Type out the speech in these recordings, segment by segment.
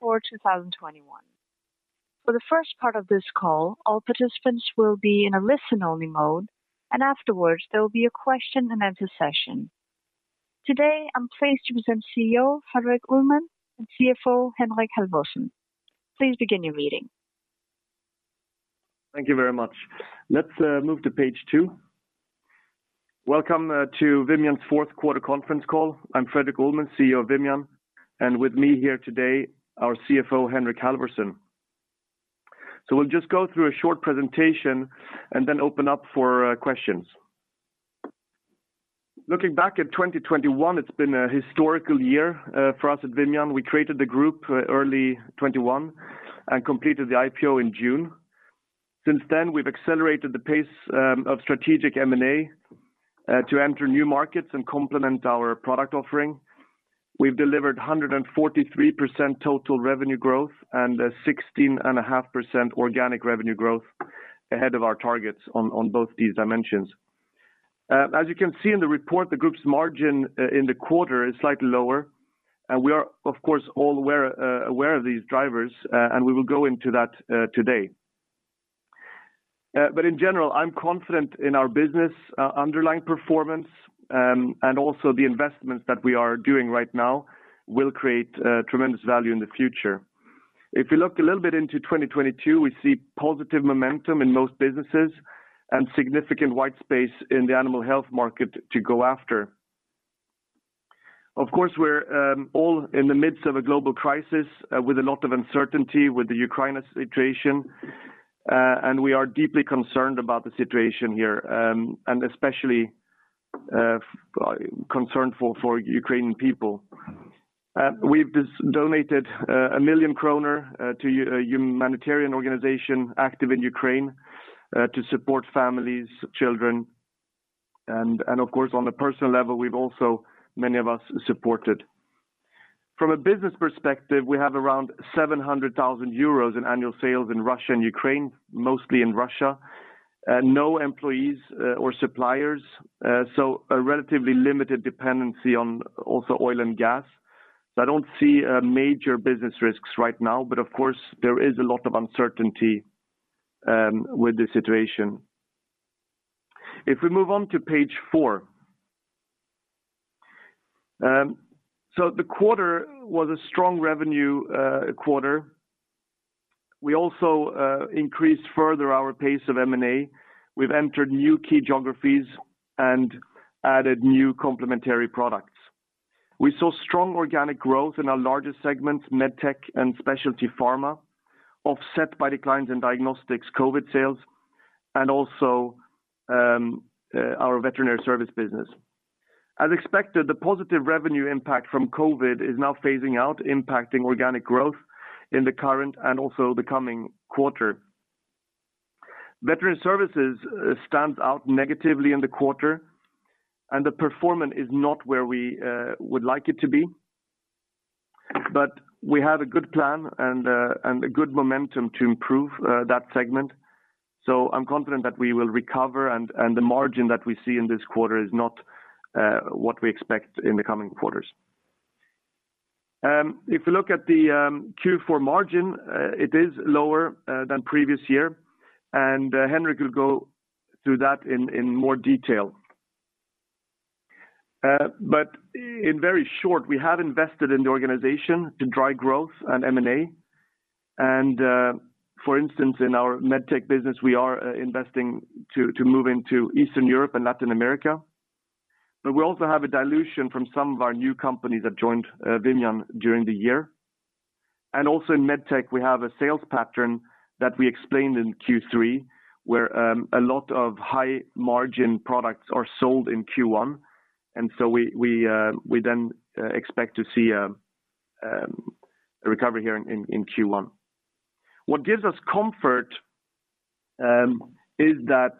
Q4 2021. For the first part of this call, all participants will be in a listen-only mode, and afterwards, there will be a Q&A session. Today, I'm pleased to present CEO Fredrik Ullman and CFO Henrik Halvorsen. Please begin your meeting. Thank you very much. Let's move to page two. Welcome to Vimian's Q4 Conference Call. I'm Fredrik Ullman, CEO of Vimian, and with me here today, our CFO, Henrik Halvorsen. We'll just go through a short presentation and then open up for questions. Looking back at 2021, it's been a historical year for us at Vimian. We created the group early 2021 and completed the IPO in June. Since then, we've accelerated the pace of strategic M&A to enter new markets and complement our product offering. We've delivered 143% total revenue growth and 16.5% organic revenue growth ahead of our targets on both these dimensions. As you can see in the report, the group's margin in the quarter is slightly lower, and we are, of course, all aware of these drivers, and we will go into that today. In general, I'm confident in our business, underlying performance, and also the investments that we are doing right now will create tremendous value in the future. If you look a little bit into 2022, we see positive momentum in most businesses and significant white space in the animal health market to go after. Of course, we're all in the midst of a global crisis with a lot of uncertainty with the Ukraine situation. We are deeply concerned about the situation here, and especially concerned for Ukrainian people. We've just donated 1 million kronor to a humanitarian organization active in Ukraine to support families, children, and of course, on a personal level, we've also, many of us, supported. From a business perspective, we have around 700,000 euros in annual sales in Russia and Ukraine, mostly in Russia, no employees or suppliers, so a relatively limited dependency on also oil and gas. I don't see major business risks right now, but of course, there is a lot of uncertainty with the situation. If we move on to page four. The quarter was a strong revenue quarter. We also increased further our pace of M&A. We've entered new key geographies and added new complementary products. We saw strong organic growth in our largest segments, MedTech and Specialty Pharma, offset by declines in Diagnostics COVID sales and also our Veterinary Services business. As expected, the positive revenue impact from COVID is now phasing out, impacting organic growth in the current and also the coming quarter. Veterinary Services stands out negatively in the quarter, and the performance is not where we would like it to be. We have a good plan and a good momentum to improve that segment. I'm confident that we will recover, and the margin that we see in this quarter is not what we expect in the coming quarters. If you look at the Q4 margin, it is lower than previous year, and Henrik will go through that in more detail. In very short, we have invested in the organization to drive growth and M&A. For instance, in our MedTech business, we are investing to move into Eastern Europe and Latin America. We also have a dilution from some of our new companies that joined Vimian during the year. Also in MedTech, we have a sales pattern that we explained in Q3, where a lot of high-margin products are sold in Q1. We then expect to see a recovery here in Q1. What gives us comfort is that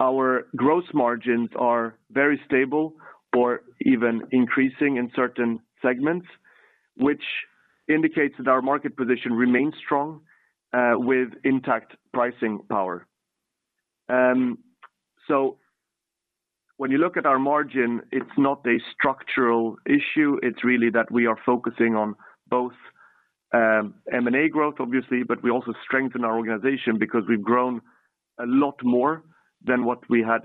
our gross margins are very stable or even increasing in certain segments, which indicates that our market position remains strong with intact pricing power. When you look at our margin, it's not a structural issue. It's really that we are focusing on both M&A growth, obviously, but we also strengthen our organization because we've grown a lot more than what we had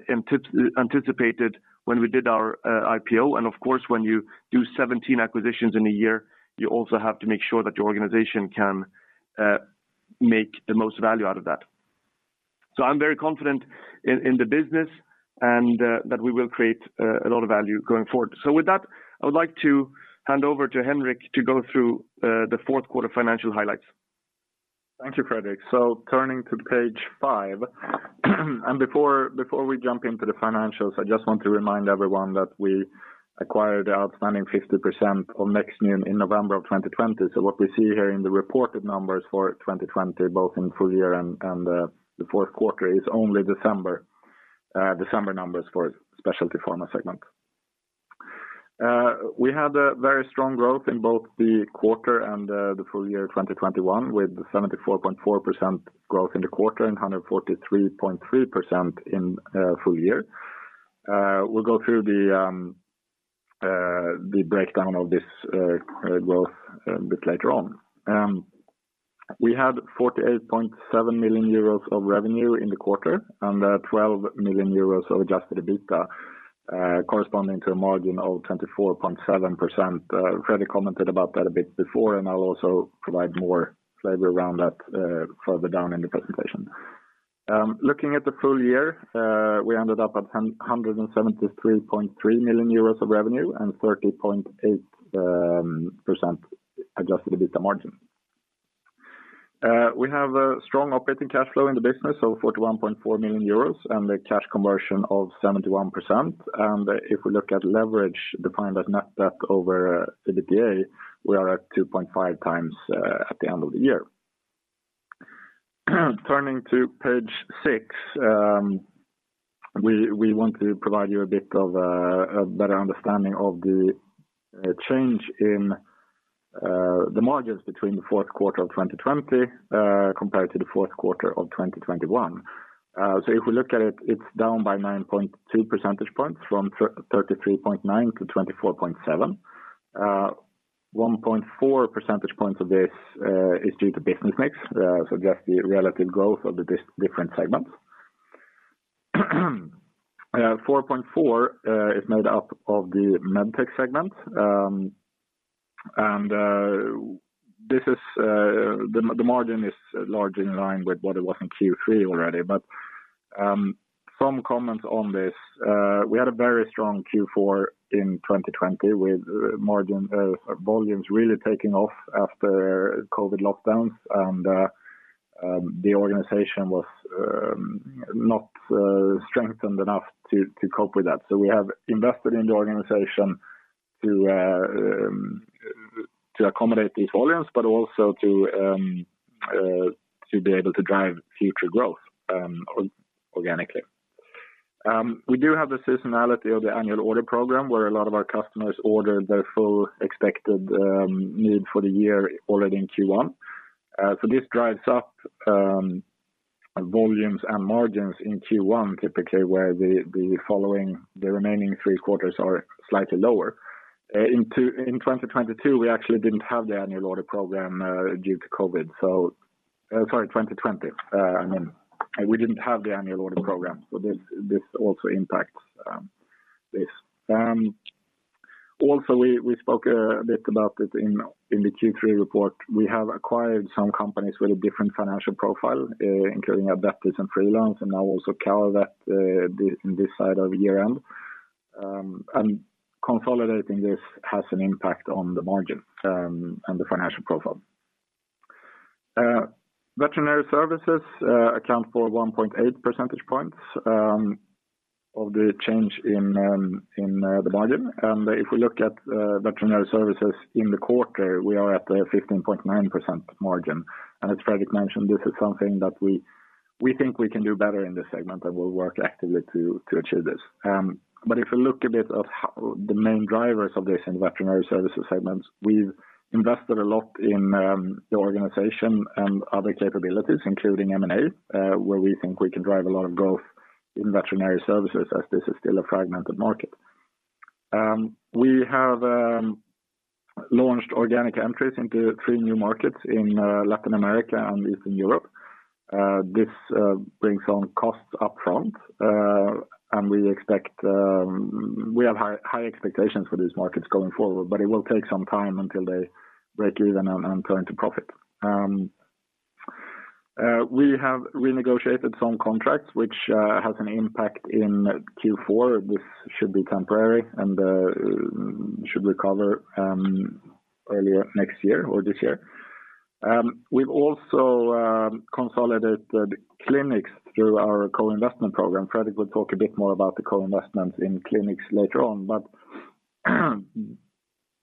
anticipated when we did our IPO. Of course, when you do 17 acquisitions in a year, you also have to make sure that your organization can make the most value out of that. I'm very confident in the business and that we will create a lot of value going forward. With that, I would like to hand over to Henrik to go through the Q4 financial highlights. Thank you, Fredrik. Turning to page five. Before we jump into the financials, I just want to remind everyone that we acquired the outstanding 50% of Nextmune in November of 2020. What we see here in the reported numbers for 2020, both in full year and the Q4, is only December numbers for Specialty Pharma segment. We had a very strong growth in both the quarter and the Full Year 2021, with 74.4% growth in the quarter and 143.3% in full year. We'll go through the breakdown of this growth a bit later on. We had 48.7 million euros of revenue in the quarter and 12 million euros of adjusted EBITDA, corresponding to a margin of 24.7%. Fredrik commented about that a bit before, and I'll also provide more flavor around that, further down in the presentation. Looking at the full year, we ended up at 1,073.3 million euros of revenue and 30.8% adjusted EBITDA margin. We have a strong Operating Cash Flow in the business of 41.4 million euros and a cash conversion of 71%. If we look at leverage, defined as net debt over EBITDA, we are at 2.5 times, at the end of the year. Turning to page six, we want to provide you a bit of a better understanding of the change in the margins between the Q4 of 2020 compared to the Q4 of 2021. If we look at it's down by 9.2 percentage points from 33.9% to 24.7%. 1.4 percentage points of this is due to business mix, just the relative growth of the different segments. 4.4 is made up of the MedTech segment. The margin is largely in line with what it was in Q3 already. Some comments on this. We had a very strong Q4 in 2020 with margin volumes really taking off after COVID lockdowns. The organization was not strengthened enough to cope with that. We have invested in the organization to accommodate these volumes, but also to be able to drive future growth organically. We do have the seasonality of the annual order program, where a lot of our customers order their full expected need for the year already in Q1. This drives up volumes and margins in Q1, typically, where the remaining three quarters are slightly lower. In 2020, I mean, we actually didn't have the annual order program due to COVID, so this also impacts this. We spoke a bit about this in the Q3 report. We have acquired some companies with a different financial profile, including Advetis & Freelance, and now also Kahuvet this side of year-end. Consolidating this has an impact on the margin, and the financial profile. Veterinary Services account for 1.8 percentage points of the change in the margin. If we look at Veterinary Services in the quarter, we are at a 15.9% margin. As Fredrik mentioned, this is something that we think we can do better in this segment, and we'll work actively to achieve this. If you look a bit of the main drivers of this in Veterinary Services segments, we've invested a lot in the organization and other capabilities, including M&A, where we think we can drive a lot of growth in Veterinary Services as this is still a fragmented market. We have launched organic entries into three new markets in Latin America and Eastern Europe. This brings on costs upfront, and we expect. We have high expectations for these markets going forward, but it will take some time until they break even and turn to profit. We have renegotiated some contracts which has an impact in Q4. This should be temporary and should recover earlier next year or this year. We've also consolidated clinics through our co-investment program. Fredrik will talk a bit more about the co-investments in clinics later on.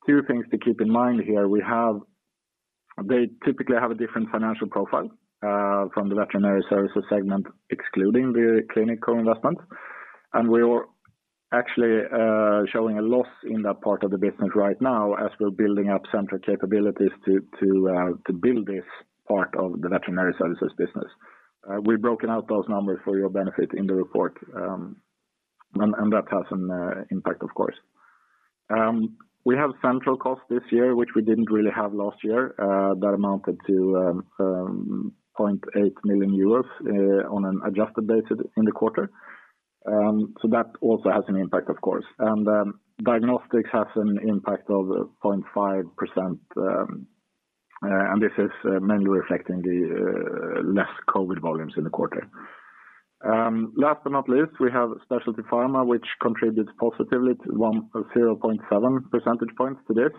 Two things to keep in mind here. They typically have a different financial profile from the Veterinary Services segment, excluding the clinical investment. We are actually showing a loss in that part of the business right now as we're building up central capabilities to build this part of the Veterinary Services business. We've broken out those numbers for your benefit in the report, and that has an impact of course. We have central costs this year, which we didn't really have last year. That amounted to 0.8 million euros on an adjusted basis in the quarter. That also has an impact of course. Diagnostics has an impact of 0.5%, and this is mainly reflecting the less COVID volumes in the quarter. Last but not least, we have Specialty Pharma, which contributes positively to 0.7 percentage points to this.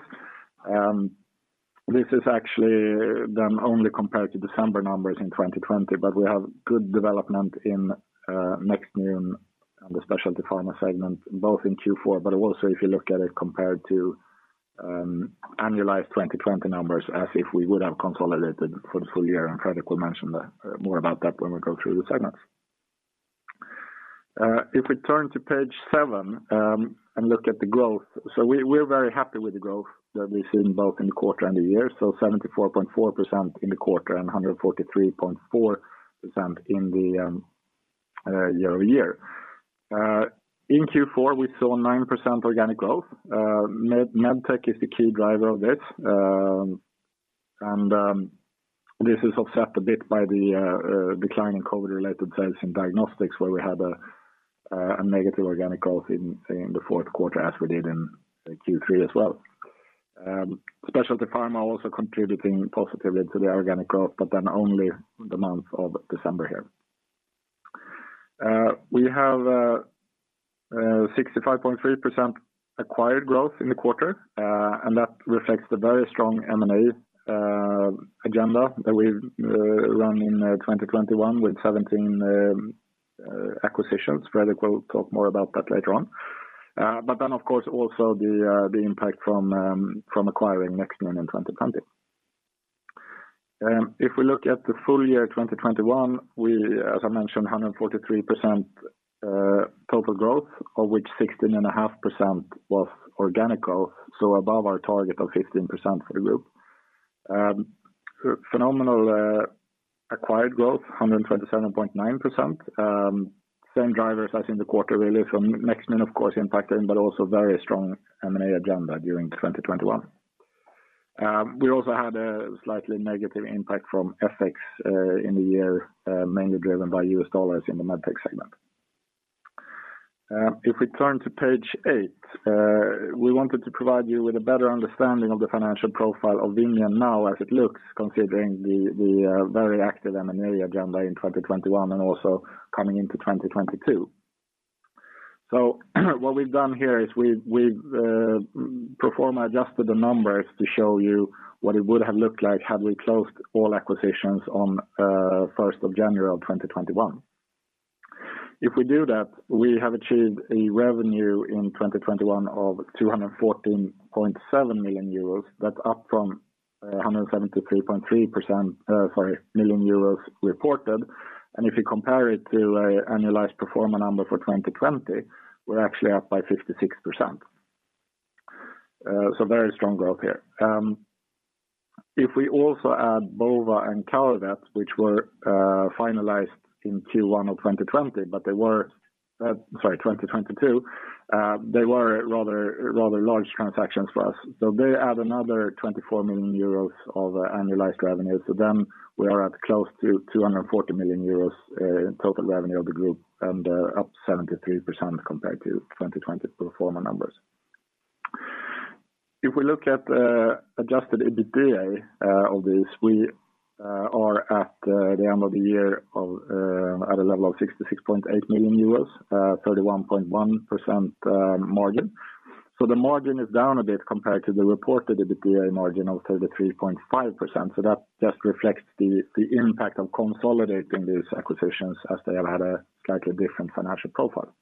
This is actually then only compared to December numbers in 2020, but we have good development in Nextmune and the Specialty Pharma segment, both in Q4, but also if you look at it compared to annualized 2020 numbers as if we would have consolidated for the full year, and Fredrik will mention more about that when we go through the segments. If we turn to page seven and look at the growth, we're very happy with the growth that we've seen both in the quarter and the year. 74.4% in the quarter and 143.4% in the year-over-year. In Q4 we saw 9% organic growth. MedTech is the key driver of this. This is offset a bit by the declining COVID-related sales in Diagnostics, where we had a negative organic growth in the Q4 as we did in Q3 as well. Specialty Pharma also contributing positively to the organic growth, but then only the month of December here. We have 65.3% acquired growth in the quarter, and that reflects the very strong M&A agenda that we've run in 2021 with 17 acquisitions. Fredrik will talk more about that later on. Of course, also the impact from acquiring Nextmune in 2020. If we look at the Full Year 2021, we, as I mentioned, 143% total growth of which 16.5% was organic growth, so above our target of 15% for the group. Phenomenal acquired growth, 127.9%. Same drivers as in the quarter really from Nextmune of course impacting, but also very strong M&A agenda during 2021. We also had a slightly negative impact from FX in the year, mainly driven by US dollars in the MedTech segment. If we turn to page eight, we wanted to provide you with a better understanding of the financial profile of Vimian now as it looks considering the very active M&A agenda in 2021 and also coming into 2022. What we've done here is we've pro forma adjusted the numbers to show you what it would have looked like had we closed all acquisitions on 1 January of 2021. If we do that, we have achieved a revenue in 2021 of 214.7 million euros. That's up from 173.3%, sorry, 173.3 million euros reported. If you compare it to a annualized pro forma number for 2020, we're actually up by 56%. Very strong growth here. If we also add Bova and Advetis, which were finalized in Q1 of 2022, they were rather large transactions for us. They add another 24 million euros of annualized revenue. We are at close to 240 million euros total revenue of the group and up 73% compared to 2020 pro forma numbers. If we look at adjusted EBITDA of this, we are at the end of the year at a level of 66.8 million euros, 31.1% margin. The margin is down a bit compared to the reported EBITDA margin of 33.5%. That just reflects the impact of consolidating these acquisitions as they have had a slightly different financial profile.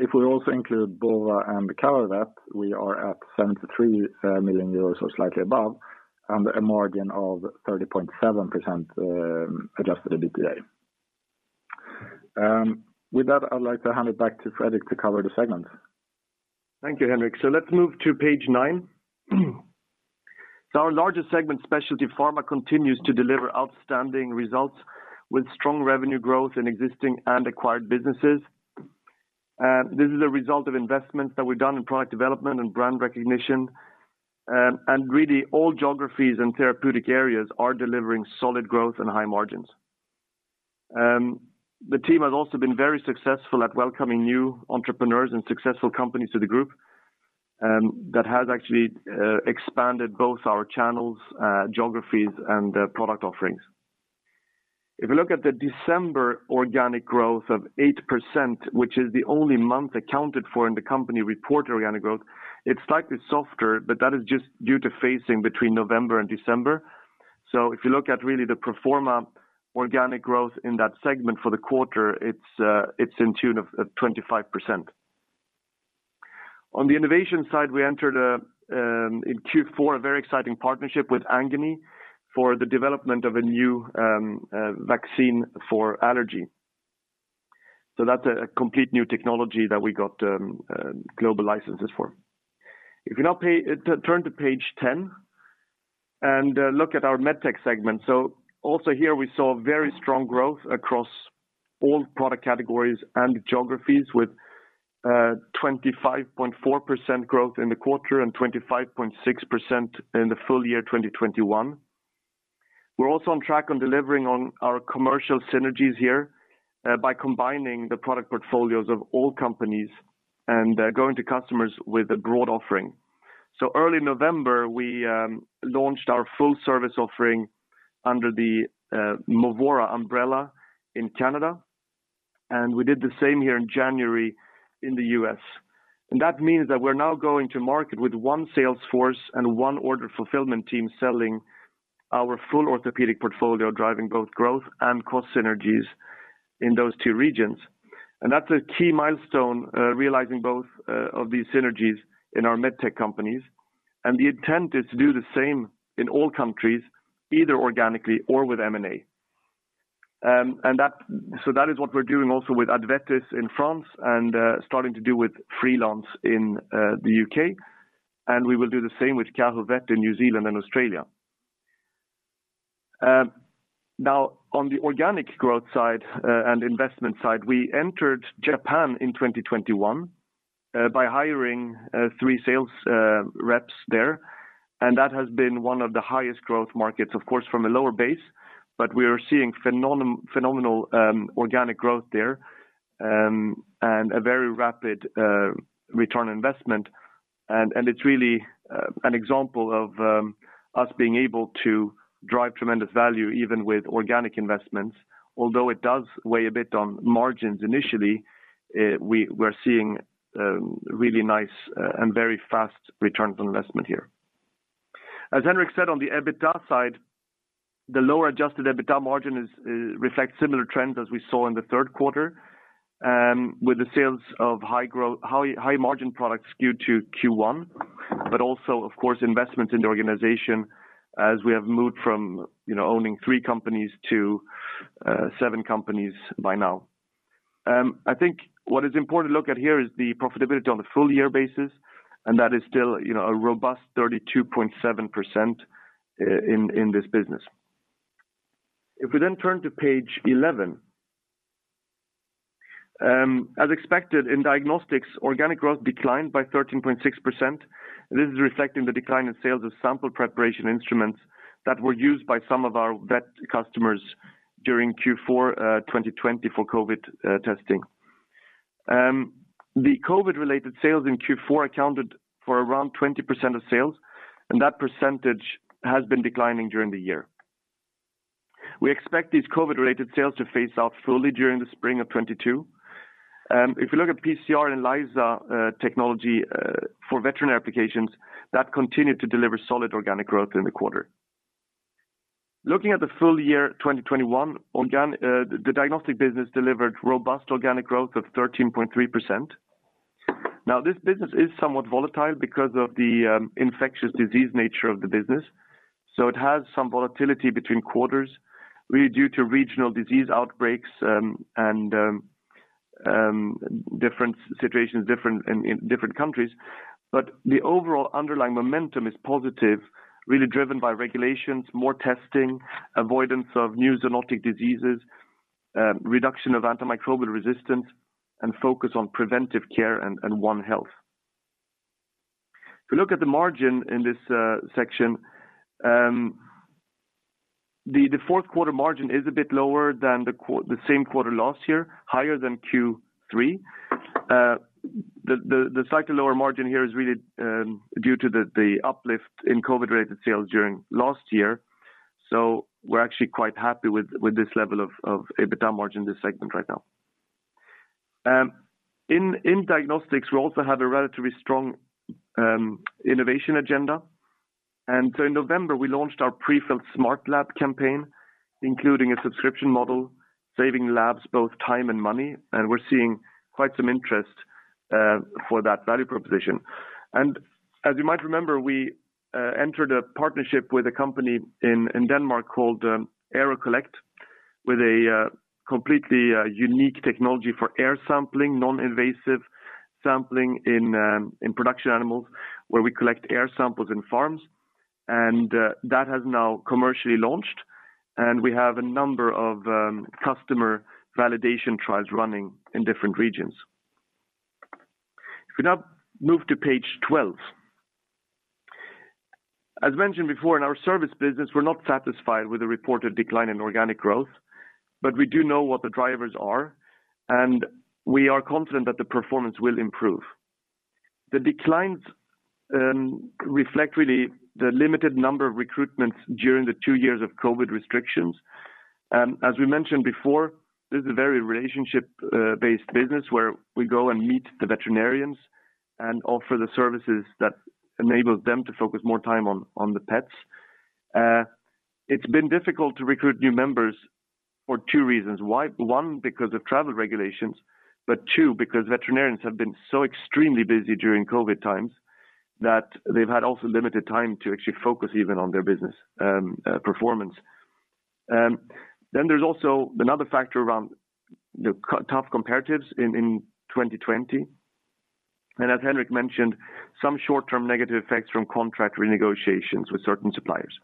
If we also include Bova and Advetis, we are at 73 million euros or slightly above and a margin of 30.7%, adjusted EBITDA. With that, I'd like to hand it back to Fredrik to cover the segments. Thank you, Henrik. Let's move to page nine. Our largest segment, Specialty Pharma, continues to deliver outstanding results with strong revenue growth in existing and acquired businesses. This is a result of investments that we've done in product development and brand recognition. Really all geographies and therapeutic areas are delivering solid growth and high margins. The team has also been very successful at welcoming new entrepreneurs and successful companies to the group that has actually expanded both our channels, geographies and the product offerings. If you look at the December organic growth of 8%, which is the only month accounted for in the company report organic growth, it's slightly softer, but that is just due to phasing between November and December. If you look at really the pro forma organic growth in that segment for the quarter, it's in tune of 25%. On the innovation side, we entered in Q4 a very exciting partnership with Angany for the development of a new vaccine for allergy. That's a complete new technology that we got global licenses for. If you now turn to page 10 and look at our MedTech segment. Also here we saw very strong growth across all product categories and geographies with 25.4% growth in the quarter and 25.6% in the Full Year 2021. We're also on track on delivering on our commercial synergies here by combining the product portfolios of all companies and going to customers with a broad offering. Early November, we launched our full service offering under the Movora umbrella in Canada, and we did the same here in January in the U.S. That means that we're now going to market with one sales force and one order fulfillment team selling our full orthopedic portfolio, driving both growth and cost synergies in those two regions. That's a key milestone realizing both of these synergies in our MedTech companies. The intent is to do the same in all countries, either organically or with M&A. So that is what we're doing also with Advetis in France and starting to do with Freelance in the U.K. We will do the same with Kahuvet in New Zealand and Australia. Now on the organic growth side and investment side, we entered Japan in 2021 by hiring three sales reps there. That has been one of the highest growth markets, of course, from a lower base, but we are seeing phenomenal organic growth there and a very rapid return on investment. It's really an example of us being able to drive tremendous value even with organic investments. Although it does weigh a bit on margins initially, we're seeing really nice and very fast returns on investment here. As Henrik said on the EBITDA side, the lower adjusted EBITDA margin is reflects similar trends as we saw in the Q3, with the sales of high-margin products skewed to Q1, but also of course investments in the organization as we have moved from, you know, owning three companies to seven companies by now. I think what is important to look at here is the profitability on a full year basis, and that is still, you know, a robust 32.7% in this business. If we then turn to page 11. As expected in Diagnostics, organic growth declined by 13.6%. This is reflecting the decline in sales of sample preparation instruments that were used by some of our vet customers during Q4 2020 for COVID testing. The COVID-related sales in Q4 accounted for around 20% of sales, and that percentage has been declining during the year. We expect these COVID-related sales to phase out fully during the spring of 2022. If you look at PCR and ELISA technology for veterinary applications, that continued to deliver solid organic growth in the quarter. Looking at the Full Year 2021, the diagnostic business delivered robust organic growth of 13.3%. Now, this business is somewhat volatile because of the infectious disease nature of the business, so it has some volatility between quarters, really due to regional disease outbreaks and different situations in different countries. The overall underlying momentum is positive, really driven by regulations, more testing, avoidance of new zoonotic diseases, reduction of antimicrobial resistance, and focus on preventive care and One Health. If you look at the margin in this section, the Q4 margin is a bit lower than the same quarter last year, higher than Q3. The slightly lower margin here is really due to the uplift in COVID-related sales during last year. We're actually quite happy with this level of EBITDA margin in this segment right now. In diagnostics, we also have a relatively strong innovation agenda. In November, we launched our prefilled SmartLab campaign, including a subscription model, saving labs both time and money, and we're seeing quite some interest for that value proposition. As you might remember, we entered a partnership with a company in Denmark called AeroCollect, with a completely unique technology for air sampling, non-invasive sampling in production animals, where we collect air samples in farms. That has now commercially launched, and we have a number of customer validation trials running in different regions. If we now move to page 12. As mentioned before, in our service business, we're not satisfied with the reported decline in organic growth, but we do know what the drivers are, and we are confident that the performance will improve. The declines reflect really the limited number of recruitments during the two years of COVID restrictions. As we mentioned before, this is a very relationship-based business where we go and meet the veterinarians and offer the services that enable them to focus more time on the pets. It's been difficult to recruit new members for two reasons. Why? One, because of travel regulations, but two, because veterinarians have been so extremely busy during COVID times that they've had also limited time to actually focus even on their business performance. There's also another factor around the tough comparatives in 2020. As Henrik mentioned, some short-term negative effects from contract renegotiations with certain suppliers.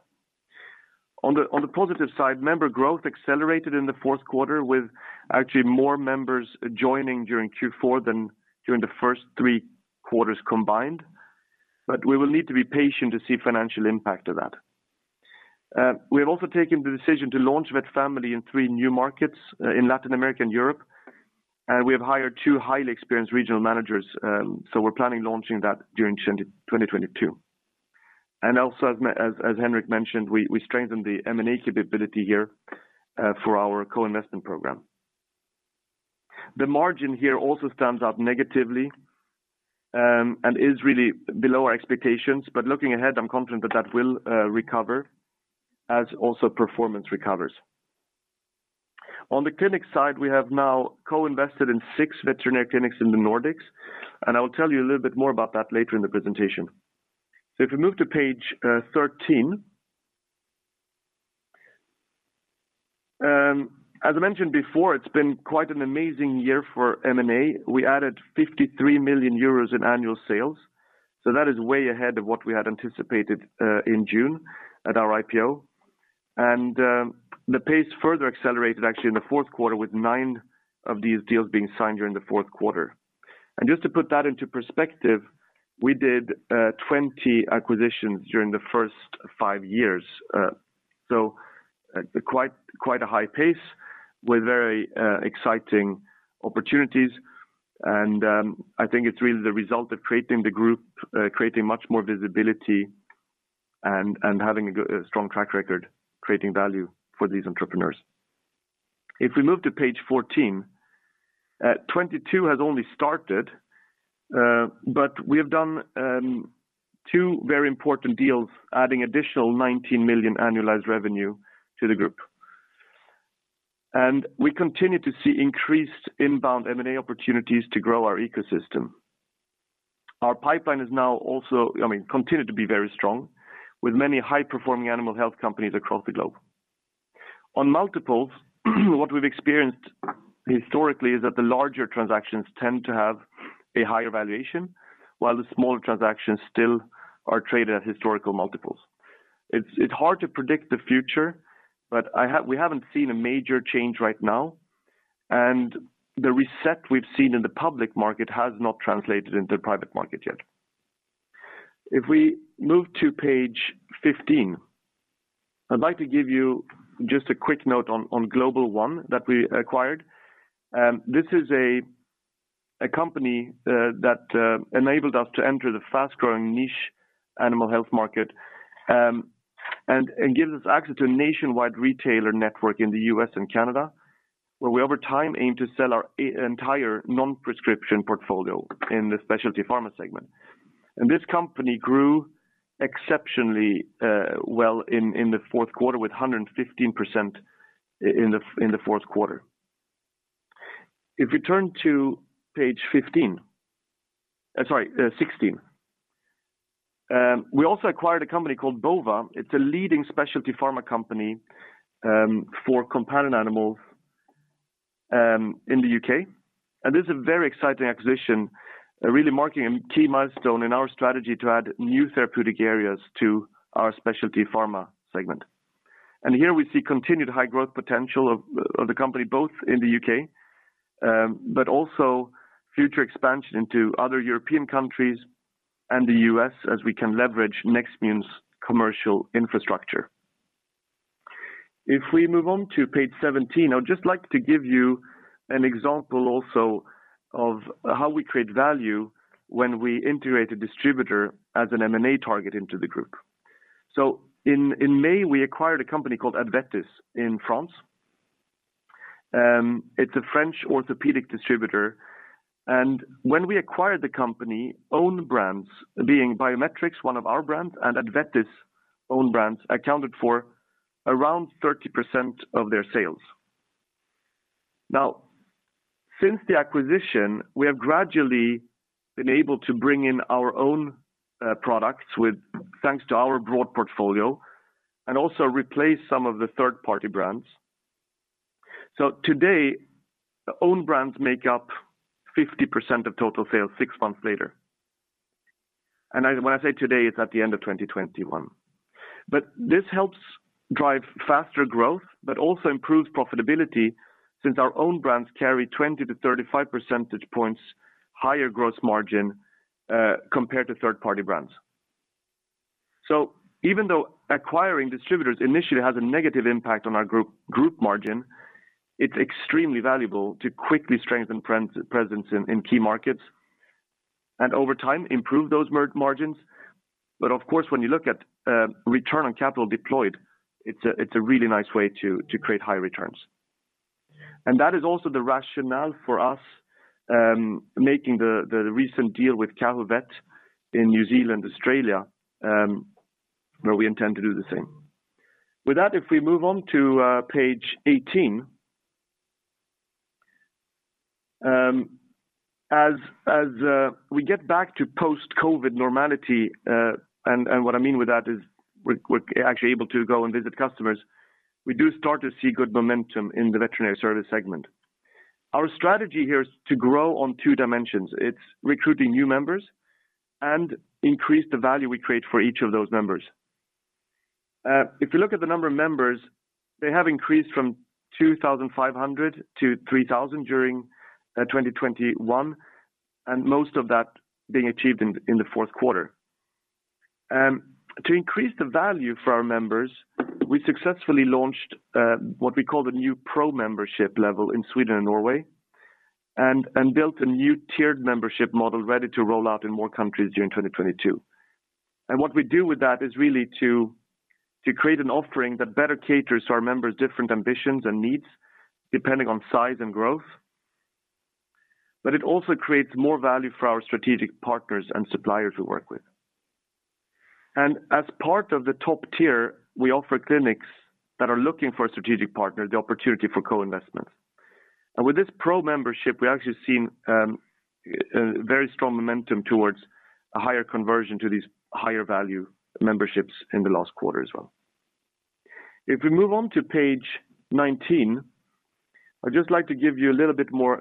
On the positive side, member growth accelerated in the Q4 with actually more members joining during Q4 than during the first three quarters combined. We will need to be patient to see financial impact of that. We have also taken the decision to launch Vet Family in three new markets in Latin America and Europe. We have hired two highly experienced regional managers, so we're planning launching that during 2022. As Henrik mentioned, we strengthened the M&A capability here for our co-investment program. The margin here also stands out negatively and is really below our expectations. Looking ahead, I'm confident that will recover as the performance recovers. On the clinic side, we have now co-invested in six veterinary clinics in the Nordics, and I will tell you a little bit more about that later in the presentation. If we move to page 13. As I mentioned before, it's been quite an amazing year for M&A. We added 53 million euros in annual sales, so that is way ahead of what we had anticipated in June at our IPO. The pace further accelerated actually in the Q4 with nine of these deals being signed during the Q4. Just to put that into perspective, we did 20 acquisitions during the first five years. Quite a high pace with very exciting opportunities. I think it's really the result of creating the group, creating much more visibility and having a good, strong track record, creating value for these entrepreneurs. If we move to page 14, 22 has only started, but we have done two very important deals, adding additional 19 million annualized revenue to the group. We continue to see increased inbound M&A opportunities to grow our ecosystem. Our pipeline is now also I mean continue to be very strong, with many high-performing animal health companies across the globe. On multiples, what we've experienced historically is that the larger transactions tend to have a higher valuation, while the smaller transactions still are traded at historical multiples. It's hard to predict the future, but we haven't seen a major change right now, and the reset we've seen in the public market has not translated into private market yet. If we move to page 15, I'd like to give you just a quick note on GlobalOne that we acquired. This is a company that enabled us to enter the fast-growing niche animal health market, and gives us access to a nationwide retailer network in the U.S. and Canada, where we over time aim to sell our entire non-prescription portfolio in the Specialty Pharma segment. This company grew exceptionally well in the Q4 with 115%. If you turn to page 15. Sorry, 16. We also acquired a company called Bova. It's a leading Specialty Pharma company for companion animals in the U.K. This is a very exciting acquisition, really marking a key milestone in our strategy to add new therapeutic areas to our Specialty Pharma segment. Here we see continued high growth potential of the company, both in the U.K., but also future expansion into other European countries and the U.S. as we can leverage Nextmune's commercial infrastructure. If we move on to page 17, I would just like to give you an example also of how we create value when we integrate a distributor as an M&A target into the group. In May, we acquired a company called Advetis in France. It's a French orthopedic distributor. When we acquired the company, our own brands, being BioMedtrix, one of our brands, and Advetis own brands accounted for around 30% of their sales. Now, since the acquisition, we have gradually been able to bring in our own products, thanks to our broad portfolio, and also replace some of the third-party brands. Today, own brands make up 50% of total sales six months later. When I say today, it's at the end of 2021. This helps drive faster growth, but also improves profitability since our own brands carry 20-35 percentage points higher gross margin compared to third-party brands. Even though acquiring distributors initially has a negative impact on our group margin, it's extremely valuable to quickly strengthen presence in key markets, and over time, improve those margins. Of course, when you look at return on capital deployed, it's a really nice way to create high returns. That is also the rationale for us making the recent deal with Kahuvet in New Zealand, Australia, where we intend to do the same. With that, if we move on to page 18. As we get back to post-COVID normality, and what I mean with that is we're actually able to go and visit customers, we do start to see good momentum in the Veterinary Services segment. Our strategy here is to grow on two dimensions. It's recruiting new members and increase the value we create for each of those members. If you look at the number of members, they have increased from 2,500 to 3,000 during 2021, and most of that being achieved in the Q4. To increase the value for our members, we successfully launched what we call the new pro membership level in Sweden and Norway, and built a new tiered membership model ready to roll out in more countries during 2022. What we do with that is really to create an offering that better caters to our members' different ambitions and needs depending on size and growth. It also creates more value for our strategic partners and suppliers we work with. As part of the top tier, we offer clinics that are looking for a strategic partner the opportunity for co-investments. With this pro membership, we actually seen very strong momentum towards a higher conversion to these higher-value memberships in the last quarter as well. If we move on to page 19, I'd just like to give you a little bit more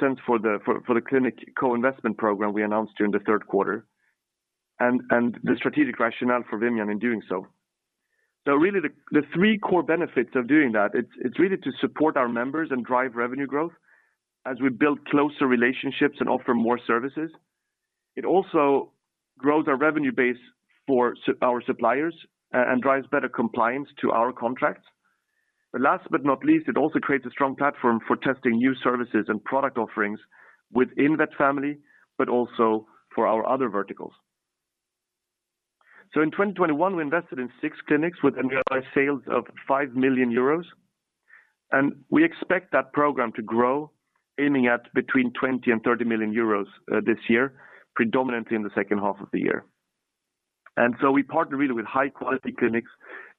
sense for the clinic co-investment program we announced during the Q3 and the strategic rationale for Vimian in doing so. Really, the three core benefits of doing that. It's really to support our members and drive revenue growth as we build closer relationships and offer more services. It also grows our revenue base for our suppliers and drives better compliance to our contracts. Last but not least, it also creates a strong platform for testing new services and product offerings within that family, but also for our other verticals. In 2021, we invested in 6 clinics with unrealized sales of 5 million euros. We expect that program to grow aiming at between 20 million and 30 million euros this year, predominantly in the second half of the year. We partner really with high-quality clinics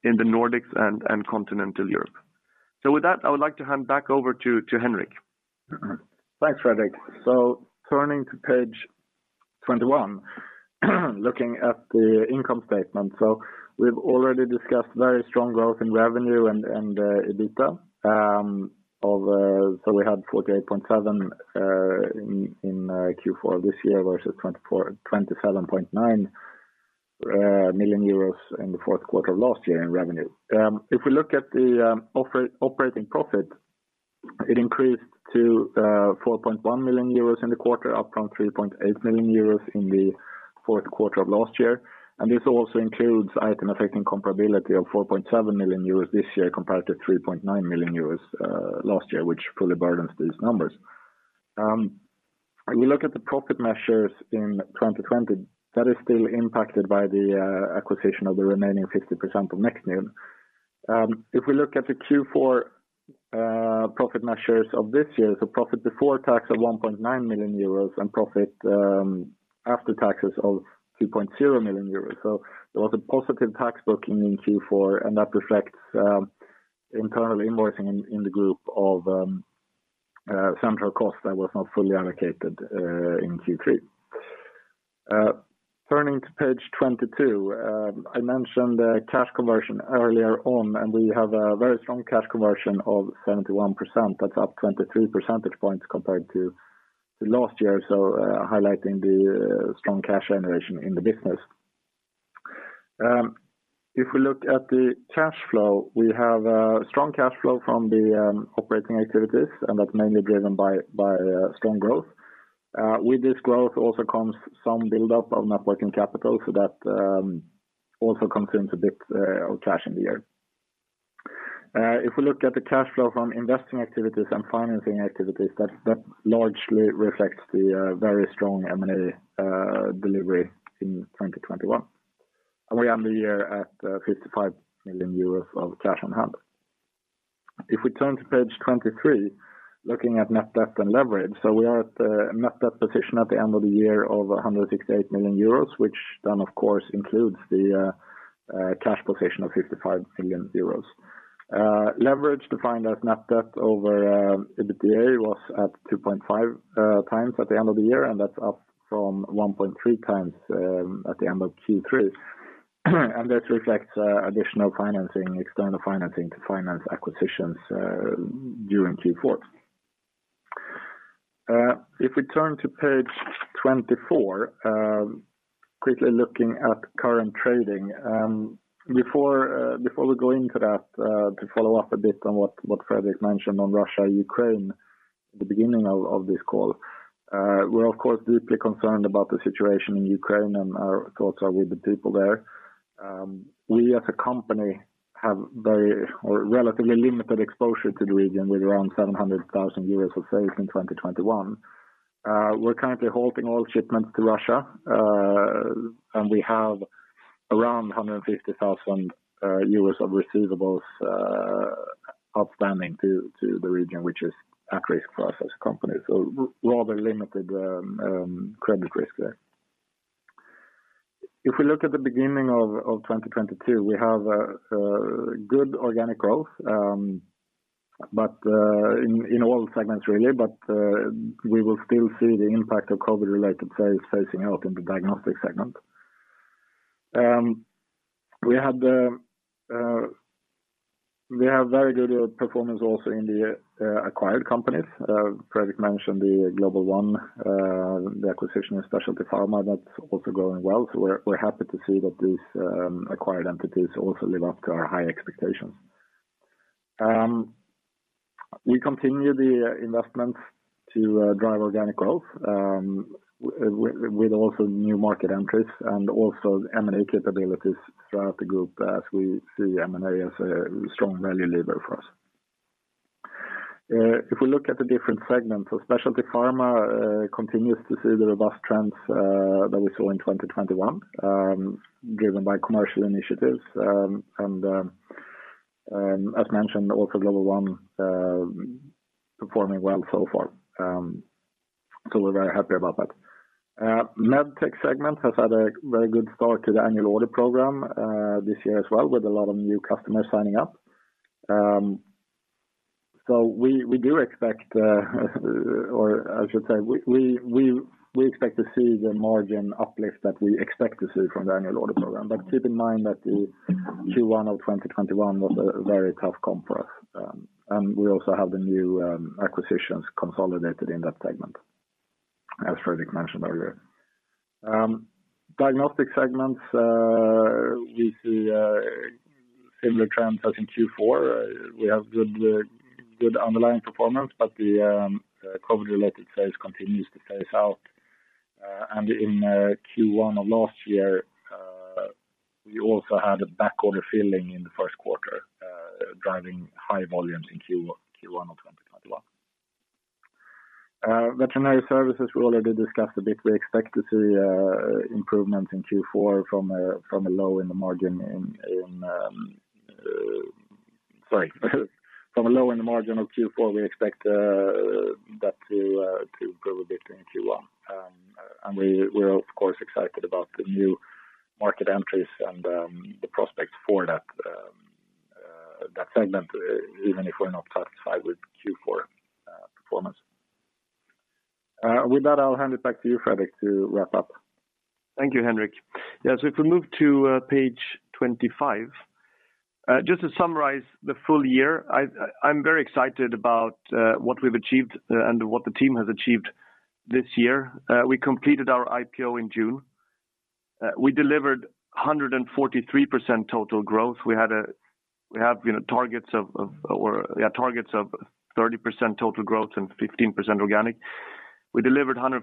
in the Nordics and continental Europe. With that, I would like to hand back over to Henrik. Thanks, Fredrik. Turning to page 21, looking at the income statement. We've already discussed very strong growth in revenue and EBITDA. We had 48.7 million in Q4 this year versus 27.9 million euros in the Q4 of last year in revenue. If we look at the operating profit, it increased to 4.1 million euros in the quarter, up from 3.8 million euros in the Q4 of last year. This also includes item affecting comparability of 4.7 million euros this year, compared to 3.9 million euros last year, which fully burdens these numbers. If we look at the profit measures in 2020, that is still impacted by the acquisition of the remaining 50% of Nextmune. If we look at the Q4 profit measures of this year, profit before tax of 1.9 million euros and profit after taxes of 2.0 million euros. There was a positive tax booking in Q4, and that reflects internal invoicing in the group of central costs that was not fully allocated in Q3. Turning to page 22, I mentioned the cash conversion earlier on, and we have a very strong cash conversion of 71%. That's up 23 percentage points compared to last year, highlighting the strong cash generation in the business. If we look at the cash flow, we have strong cash flow from the operating activities, and that's mainly driven by strong growth. With this growth also comes some build up of net working capital. That also consumes a bit of cash in the year. If we look at the cash flow from investing activities and financing activities, that largely reflects the very strong M&A delivery in 2021. We end the year at 55 million euros of cash on hand. If we turn to page 23, looking at net debt and leverage. We are at net debt position at the end of the year of 168 million euros, which then of course includes the cash position of 55 million euros. Leverage defined as net debt over EBITDA was at 2.5 times at the end of the year, and that's up from 1.3 times at the end of Q3. That reflects additional financing, external financing to finance acquisitions during Q4. If we turn to page 24, quickly looking at current trading, before we go into that, to follow up a bit on what Fredrik mentioned on Russia, Ukraine at the beginning of this call. We're of course deeply concerned about the situation in Ukraine and our thoughts are with the people there. We as a company have very or relatively limited exposure to the region with around 700,000 euros of sales in 2021. We're currently halting all shipments to Russia, and we have around 150,000 euros of receivables outstanding to the region which is at risk for us as a company. Rather limited credit risk there. If we look at the beginning of 2022, we have good organic growth, but in all segments really. We will still see the impact of COVID-related sales phasing out in the Diagnostics segment. We have very good performance also in the acquired companies. Fredrik mentioned the GlobalOne, the acquisition of Specialty Pharma, that's also going well. We're happy to see that these acquired entities also live up to our high expectations. We continue the investments to drive organic growth with also new market entries and also M&A capabilities throughout the group as we see M&A as a strong value lever for us. If we look at the different segments, Specialty Pharma continues to see the robust trends that we saw in 2021, driven by commercial initiatives. As mentioned, also GlobalOne performing well so far. We're very happy about that. MedTech segment has had a very good start to the annual order program this year as well, with a lot of new customers signing up. We expect to see the margin uplift that we expect to see from the annual order program. Keep in mind that the Q1 of 2021 was a very tough comp for us. We also have the new acquisitions consolidated in that segment, as Fredrik mentioned earlier. Diagnostics segment, we see a similar trend as in Q4. We have good underlying performance, but the COVID-related sales continues to phase out. In Q1 of last year, we also had a backorder filling in the Q1, driving high volumes in Q1 of 2021. Veterinary Services, we already discussed a bit. We expect to see improvement from a low margin of Q4. We expect that to grow a bit in Q1. We're of course excited about the new market entries and the prospects for that segment, even if we're not satisfied with Q4 performance. With that, I'll hand it back to you, Fredrik, to wrap up. Thank you, Henrik. Yeah. If we move to page 25, just to summarize the full year, I'm very excited about what we've achieved and what the team has achieved this year. We completed our IPO in June. We delivered 143% total growth. We have, you know, targets of 30% total growth and 15% organic. We delivered 143%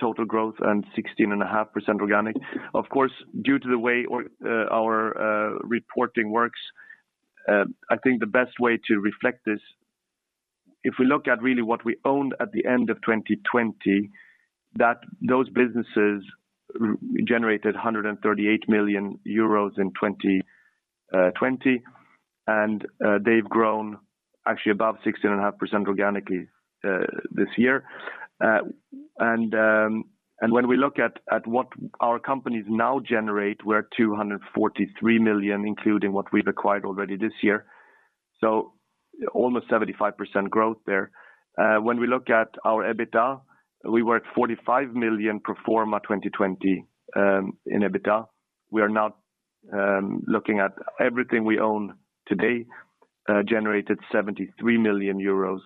total growth and 16.5% organic. Of course, due to the way our reporting works, I think the best way to reflect this, if we look at really what we owned at the end of 2020, that those businesses generated 138 million euros in 2020, and they've grown actually above 16.5% organically this year. And when we look at what our companies now generate, we're at 243 million, including what we've acquired already this year. So almost 75% growth there. When we look at our EBITDA, we were at 45 million pro forma 2020 in EBITDA. We are now looking at everything we own today generated 73 million euros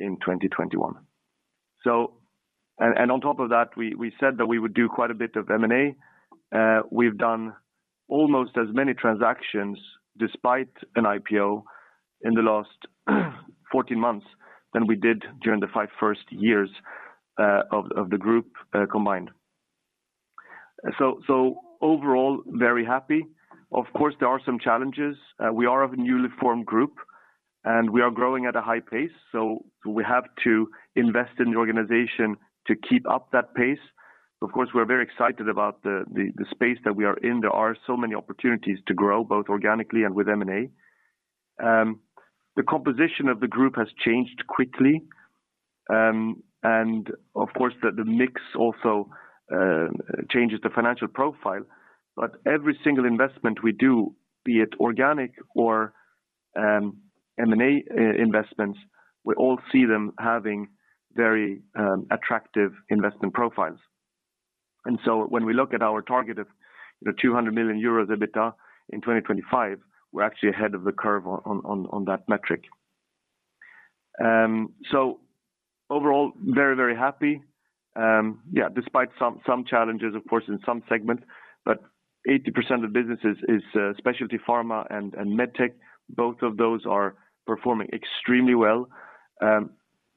in 2021. On top of that, we said that we would do quite a bit of M&A. We've done almost as many transactions despite an IPO in the last 14 months than we did during the first five years of the group combined. Overall, very happy. Of course, there are some challenges. We are a newly formed group, and we are growing at a high pace, so we have to invest in the organization to keep up that pace. Of course, we're very excited about the space that we are in. There are so many opportunities to grow, both organically and with M&A. The composition of the group has changed quickly. Of course, the mix also changes the financial profile. Every single investment we do, be it organic or M&A investments, we all see them having very attractive investment profiles. When we look at our target of 200 million euros EBITDA in 2025, we're actually ahead of the curve on that metric. Overall, very happy. Yeah, despite some challenges, of course, in some segments, but 80% of businesses is Specialty Pharma and MedTech. Both of those are performing extremely well.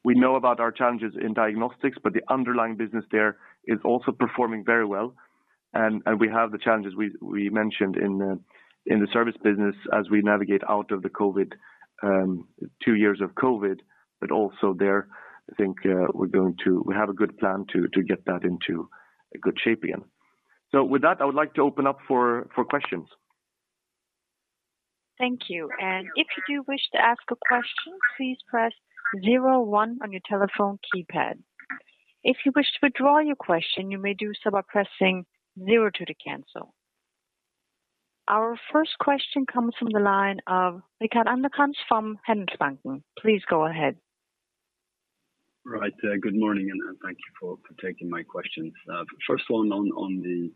We know about our challenges in Diagnostics, but the underlying business there is also performing very well. We have the challenges we mentioned in the Veterinary Services business as we navigate out of the COVID two years of COVID, but also there, I think, we're going to. We have a good plan to get that into a good shape again. With that, I would like to open up for questions. Our first question comes from the line of Rickard Anderkrans from Handelsbanken. Please go ahead. Right. Good morning, and thank you for taking my questions. First one on the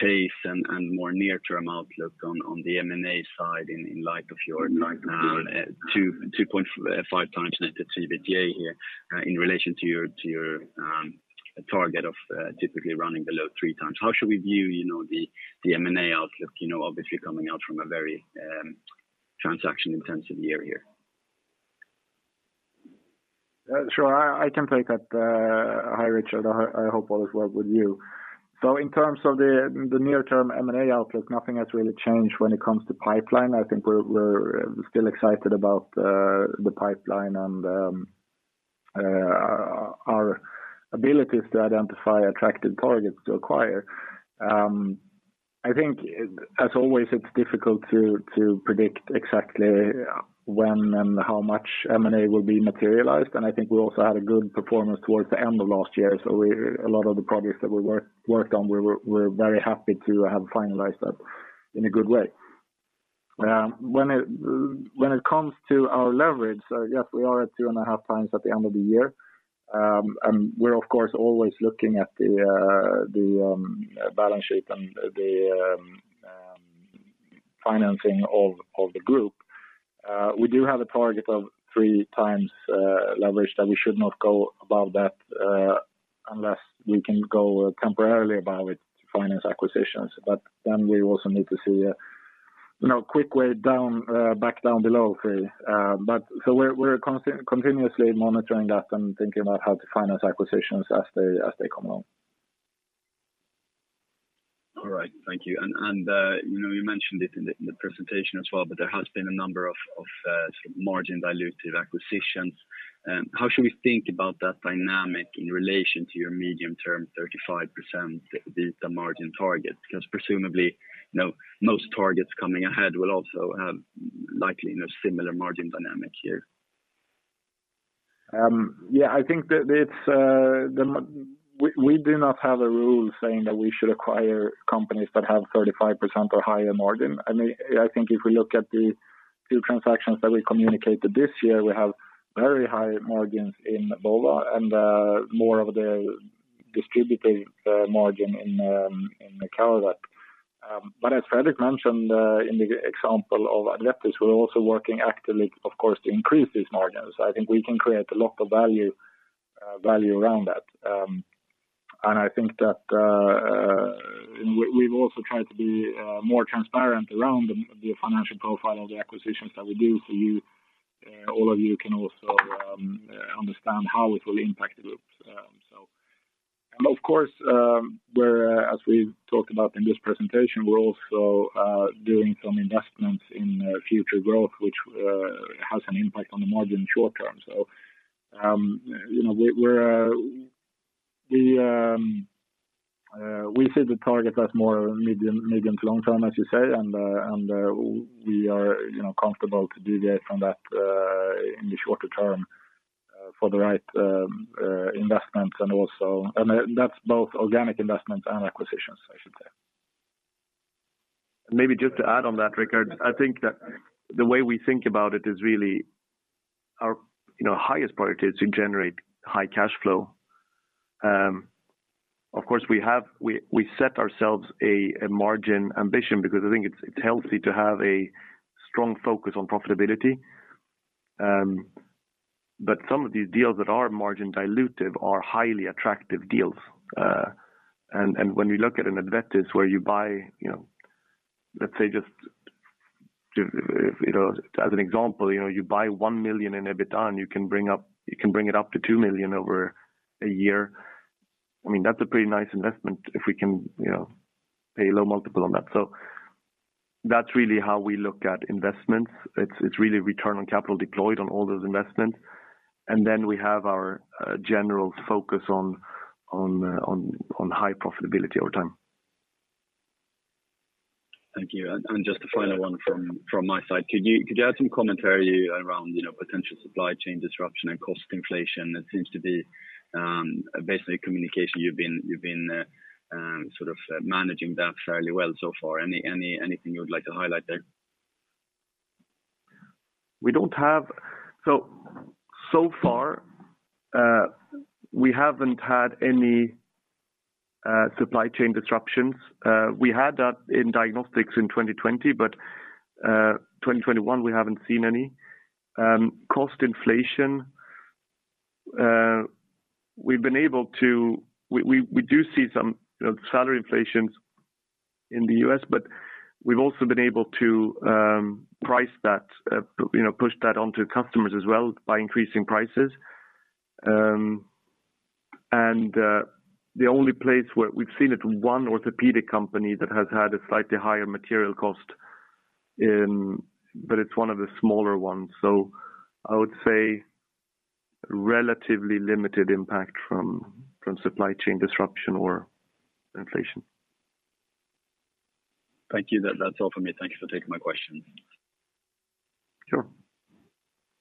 pace and more near-term outlook on the M&A side in light of your target 2.5 times net to EBITDA here in relation to your target of typically running below three times. How should we view the M&A outlook, you know, obviously coming out from a very transaction-intensive year here? Sure. I can take that. Hi, Rickard. I hope all is well with you. In terms of the near-term M&A outlook, nothing has really changed when it comes to pipeline. I think we're still excited about the pipeline and our abilities to identify attractive targets to acquire. I think as always, it's difficult to predict exactly when and how much M&A will be materialized. I think we also had a good performance towards the end of last year. A lot of the projects that we worked on, we're very happy to have finalized that in a good way. When it comes to our leverage, yes, we are at 2.5x at the end of the year. We're of course always looking at the balance sheet and the financing of the group. We do have a target of 3x leverage that we should not go above that unless we can go temporarily above it to finance acquisitions. Then we also need to see a, you know, quick way down back down below three. We're continuously monitoring that and thinking about how to finance acquisitions as they come along. All right. Thank you. You know, you mentioned it in the presentation as well, but there has been a number of margin dilutive acquisitions. How should we think about that dynamic in relation to your medium-term 35% EBITDA margin target? Because presumably, you know, most targets coming ahead will also have likely, you know, similar margin dynamics here. Yeah, I think that it's we do not have a rule saying that we should acquire companies that have 35% or higher margin. I mean, I think if we look at the few transactions that we communicated this year, we have very high margins in Bova and more of the distributive margin in Kahuvet. As Fredrik mentioned, in the example of Advetis, we're also working actively, of course, to increase these margins. I think we can create a lot of value around that. I think that we've also tried to be more transparent around the financial profile of the acquisitions that we do. You all of you can also understand how it will impact the Group. Of course, as we talked about in this presentation, we're also doing some investments in future growth, which has an impact on the margin short-term. You know, we see the target as more medium to long-term, as you say. You know, we are comfortable to deviate from that in the shorter-term for the right investments and also. That's both organic investments and acquisitions, I should say. Maybe just to add on that, Rickard, I think that the way we think about it is really our you know highest priority is to generate high cash flow. Of course, we set ourselves a margin ambition because I think it's healthy to have a strong focus on profitability. But some of these deals that are margin dilutive are highly attractive deals. And when you look at an Advetis where you buy you know let's say just you know as an example you know you buy 1 million in EBITDA, and you can bring it up to 2 million over a year. I mean, that's a pretty nice investment if we can you know pay a low multiple on that. That's really how we look at investments. It's really return on capital deployed on all those investments. Then we have our general focus on high profitability over time. Thank you. Just a final one from my side. Could you add some commentary around, you know, potential supply chain disruption and cost inflation? That seems to be basically communication you've been sort of managing that fairly well so far. Anything you would like to highlight there? So far, we haven't had any supply chain disruptions. We had that in Diagnostics in 2020, but in 2021, we haven't seen any. Cost inflation, we do see some, you know, salary inflations in the U.S., but we've also been able to pass that, you know, push that onto customers as well by increasing prices. The only place where we've seen it, one orthopedic company that has had a slightly higher material cost. It's one of the smaller ones. I would say relatively limited impact from supply chain disruption or inflation. Thank you. That's all for me. Thank you for taking my question. Sure.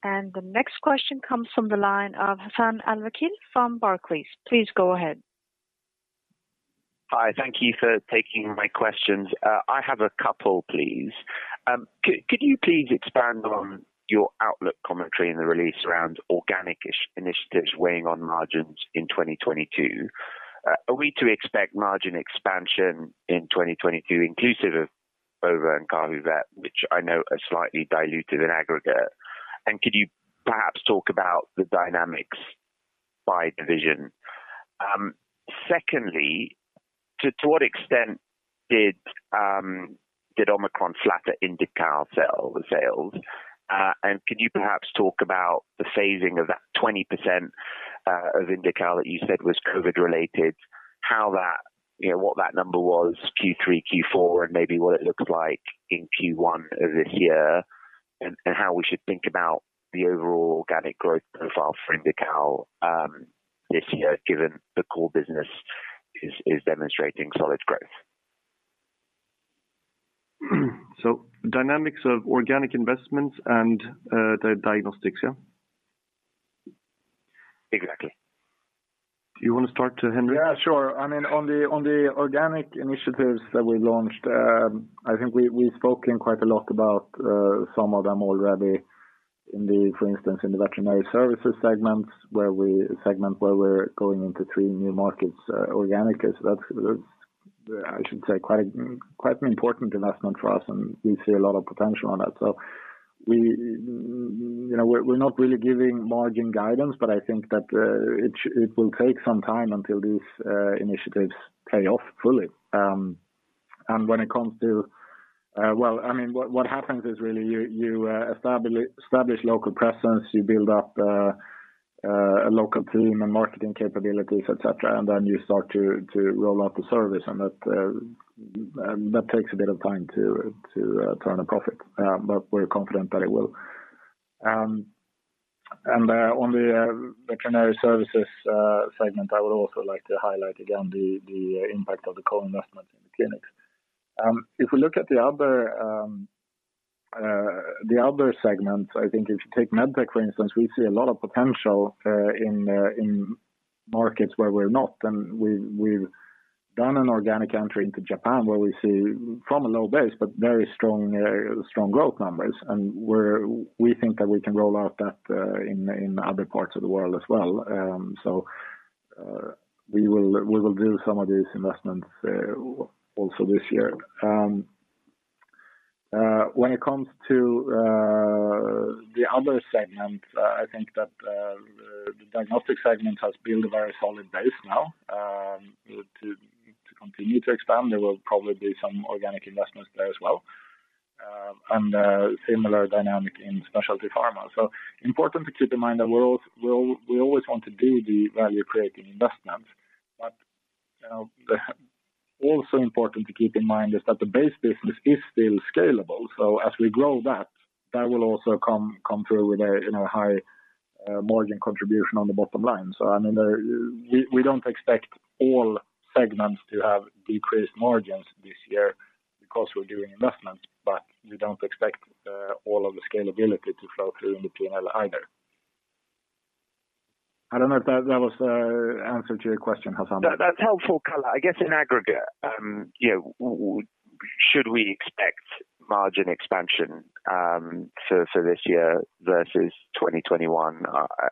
The next question comes from the line of Hassan Al-Wakeel from Barclays. Please go ahead. Hi. Thank you for taking my questions. I have a couple, please. Could you please expand on your outlook commentary in the release around organic initiatives weighing on margins in 2022? Are we to expect margin expansion in 2022, inclusive of Bova and Kahuvet, which I know are slightly diluted in aggregate? Could you perhaps talk about the dynamics by division? Secondly, to what extent did Omicron flatter Indical sales? Could you perhaps talk about the phasing of that 20% of Indical that you said was COVID related? How that, you know, what that number was Q3, Q4, and maybe what it looked like in Q1 of this year? How we should think about the overall organic growth profile for Indical this year, given the core business is demonstrating solid growth. Dynamics of organic investments and the Diagnostics, yeah? Exactly. You wanna start, Henrik? Yeah, sure. I mean, on the organic initiatives that we launched, I think we've spoken quite a lot about some of them already, for instance, in the Veterinary Services segment where we're going into three new markets organically. So that's, I should say quite an important investment for us, and we see a lot of potential on that. So we, you know, we're not really giving margin guidance, but I think that it will take some time until these initiatives pay off fully. And when it comes to, well, I mean, what happens is really you establish local presence, you build up a local team and marketing capabilities, et cetera, and then you start to roll out the service. That takes a bit of time to turn a profit. We're confident that it will. On the Veterinary Services segment, I would also like to highlight again the impact of the co-investment in the clinics. If we look at the other segments, I think if you take MedTech, for instance, we see a lot of potential in markets where we're not. We've done an organic entry into Japan, where we see from a low base, but very strong growth numbers. We think that we can roll out that in other parts of the world as well. We will do some of these investments also this year. When it comes to the other segment, I think that the Diagnostics segment has built a very solid base now to continue to expand. There will probably be some organic investments there as well. A similar dynamic in Specialty Pharma. Important to keep in mind that we always want to do the value creating investment. You know, also important to keep in mind is that the base business is still scalable. As we grow that will also come through with a, you know, high-margin contribution on the bottom line. I mean, we don't expect all segments to have decreased margins this year because we're doing investments, but we don't expect all of the scalability to flow through in the PNL either. I don't know if that was answer to your question, Hassan. That's helpful color. I guess in aggregate, should we expect margin expansion for this year versus 2021?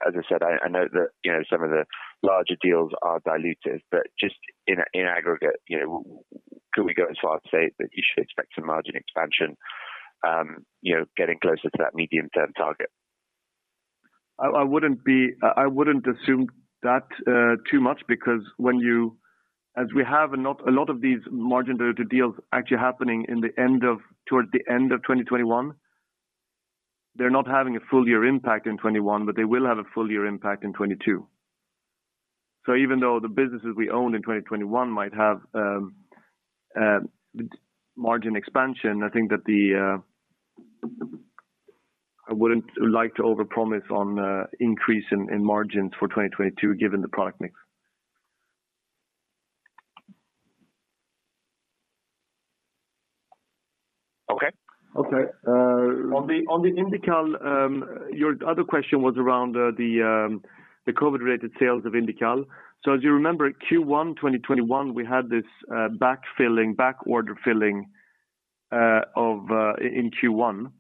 As I said, I know that some of the larger deals are dilutive, but just in aggregate, could we go as far as say that you should expect some margin expansion getting closer to that medium-term target? I wouldn't assume that too much because as we have a lot of these margin dilutive deals actually happening towards the end of 2021, they're not having a Full Year impact in 2021, but they will have a Full Year impact in 2022. Even though the businesses we own in 2021 might have margin expansion, I think that I wouldn't like to overpromise on increase in margins for 2022, given the product mix. Okay. Okay. On Indical, your other question was around the COVID-related sales of Indical. As you remember, Q1 2021, we had this backfilling, back order filling of in Q1,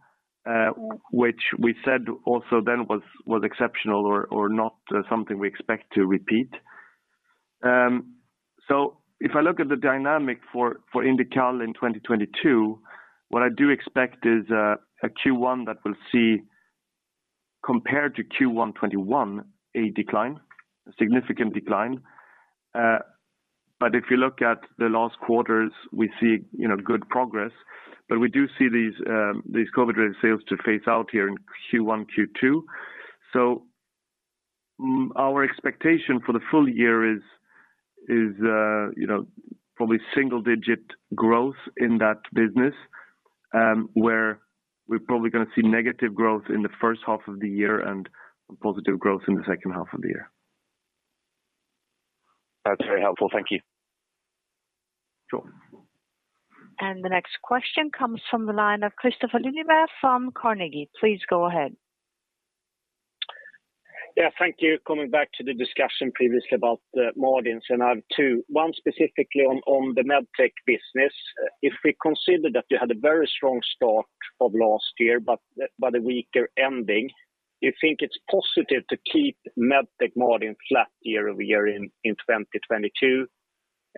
which we said also then was exceptional or not something we expect to repeat. If I look at the dynamic for Indical in 2022, what I do expect is a Q1 that will see compared to Q1 2021, a decline, a significant decline. If you look at the last quarters, we see, you know, good progress. We do see these COVID-related sales to phase out here in Q1, Q2. Our expectation for the full year is, you know, probably single-digit growth in that business, where we're probably gonna see negative growth in the first half of the year and positive growth in the second half of the year. That's very helpful. Thank you. Sure. The next question comes from the line of Kristofer Liljeberg from Carnegie. Please go ahead. Yeah, thank you. Coming back to the discussion previously about the margins, I have two. One specifically on the MedTech business. If we consider that you had a very strong start of last year, but a weaker ending, you think it's positive to keep MedTech margin flat year-over-year in 2022?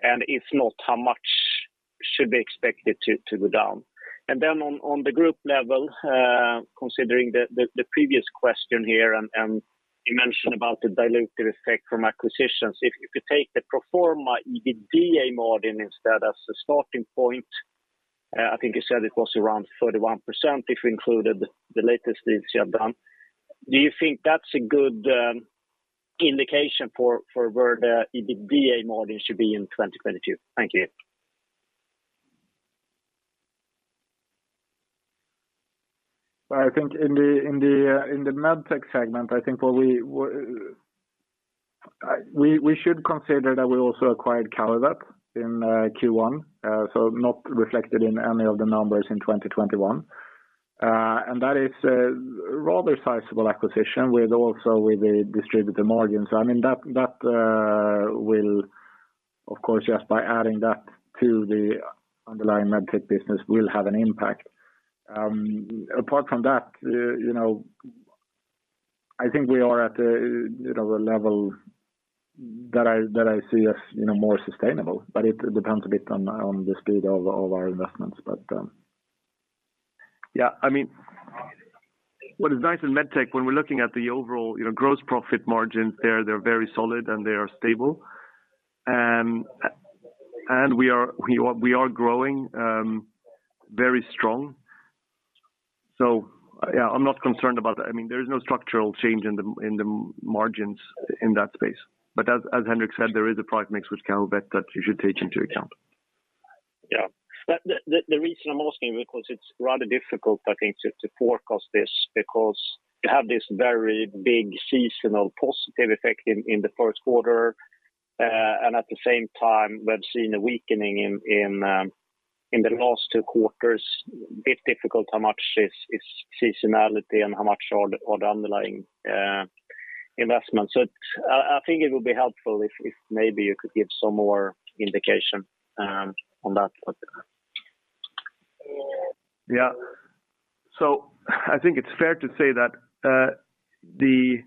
If not, how much should be expected to go down? On the group level, considering the previous question here and you mentioned about the dilutive effect from acquisitions. If you could take the pro forma EBITDA margin instead as a starting point, I think you said it was around 31% if you included the latest deals you have done. Do you think that's a good indication for where the EBITDA margin should be in 2022? Thank you. I think in the MedTech segment, I think what we should consider that we also acquired Kahuvet in Q1, so not reflected in any of the numbers in 2021. That is a rather sizable acquisition with the distributor margins. I mean, that will of course just by adding that to the underlying MedTech business will have an impact. Apart from that, you know, I think we are at a level that I see as more sustainable, but it depends a bit on the speed of our investments. Yeah, I mean, what is nice in MedTech when we're looking at the overall, you know, gross profit margins, they're very solid and they are stable. And we are growing very strong. Yeah, I'm not concerned about that. I mean, there is no structural change in the margins in that space. As Henrik said, there is a product mix with Calibeth that you should take into account. The reason I'm asking because it's rather difficult, I think, to forecast this because you have this very big seasonal positive effect in the Q1. At the same time, we've seen a weakening in the last two quarters, a bit difficult how much is seasonality and how much are the underlying investments. I think it would be helpful if maybe you could give some more indication on that. Yeah. I think it's fair to say that the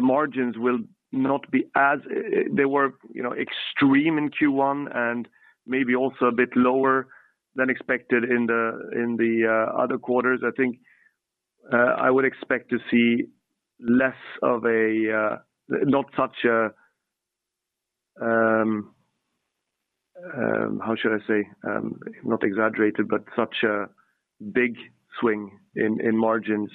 margins will not be as they were, you know, extreme in Q1 and maybe also a bit lower than expected in the other quarters. I think I would expect to see less of a, not such a, how should I say? not exaggerated, but such a big swing in margins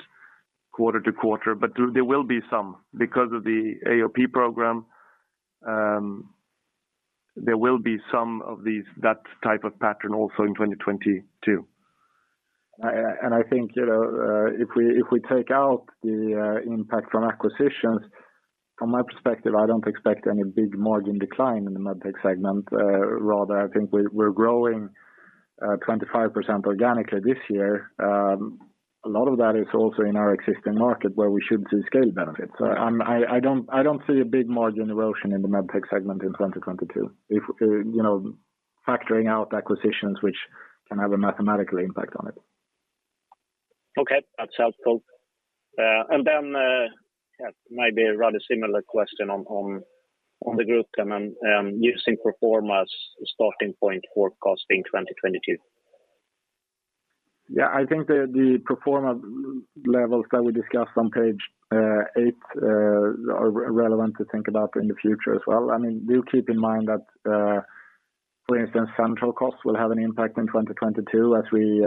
quarter-to-quarter. There will be some because of the AOP program. There will be some of these, that type of pattern also in 2022. I think, you know, if we take out the impact from acquisitions, from my perspective, I don't expect any big margin decline in the MedTech segment. Rather, I think we're growing 25% organically this year. A lot of that is also in our existing market where we should see scale benefits. I don't see a big margin erosion in the MedTech segment in 2022 if, you know, factoring out acquisitions which can have a mathematical impact on it. Okay. That's helpful. Maybe a rather similar question on the group and using pro forma as a starting point for costing 2022. Yeah. I think the pro forma levels that we discussed on page eight are relevant to think about in the future as well. I mean, do keep in mind that, for instance, central costs will have an impact in 2022 as we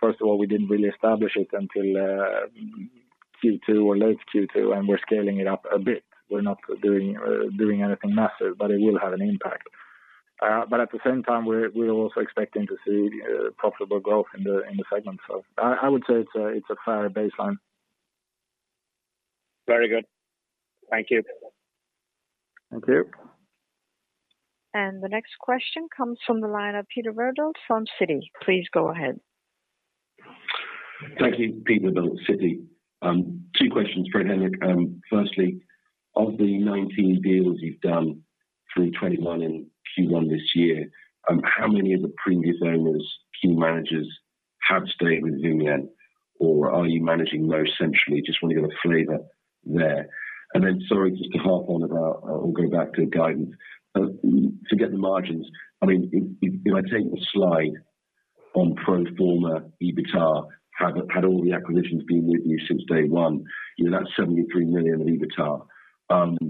first of all didn't really establish it until Q2 or late Q2, and we're scaling it up a bit. We're not doing anything massive, but it will have an impact. At the same time, we're also expecting to see profitable growth in the segment. I would say it's a fair baseline. Very good. Thank you. Thank you. The next question comes from the line of Peter Verdult from Citi. Please go ahead. Thank you. Peter Verdult, Citi. Two questions for Henrik. Firstly, of the 19 deals you've done through 2021 in Q1 this year, how many of the previous owners, key managers have stayed with Vimian or are you managing those centrally? Just want to get a flavor there. Sorry, just to harp on about or go back to guidance. To get the margins, I mean, if I take the slide on pro forma, EBITA, had all the acquisitions been with you since day one, you know, that's 73 million of EBITA.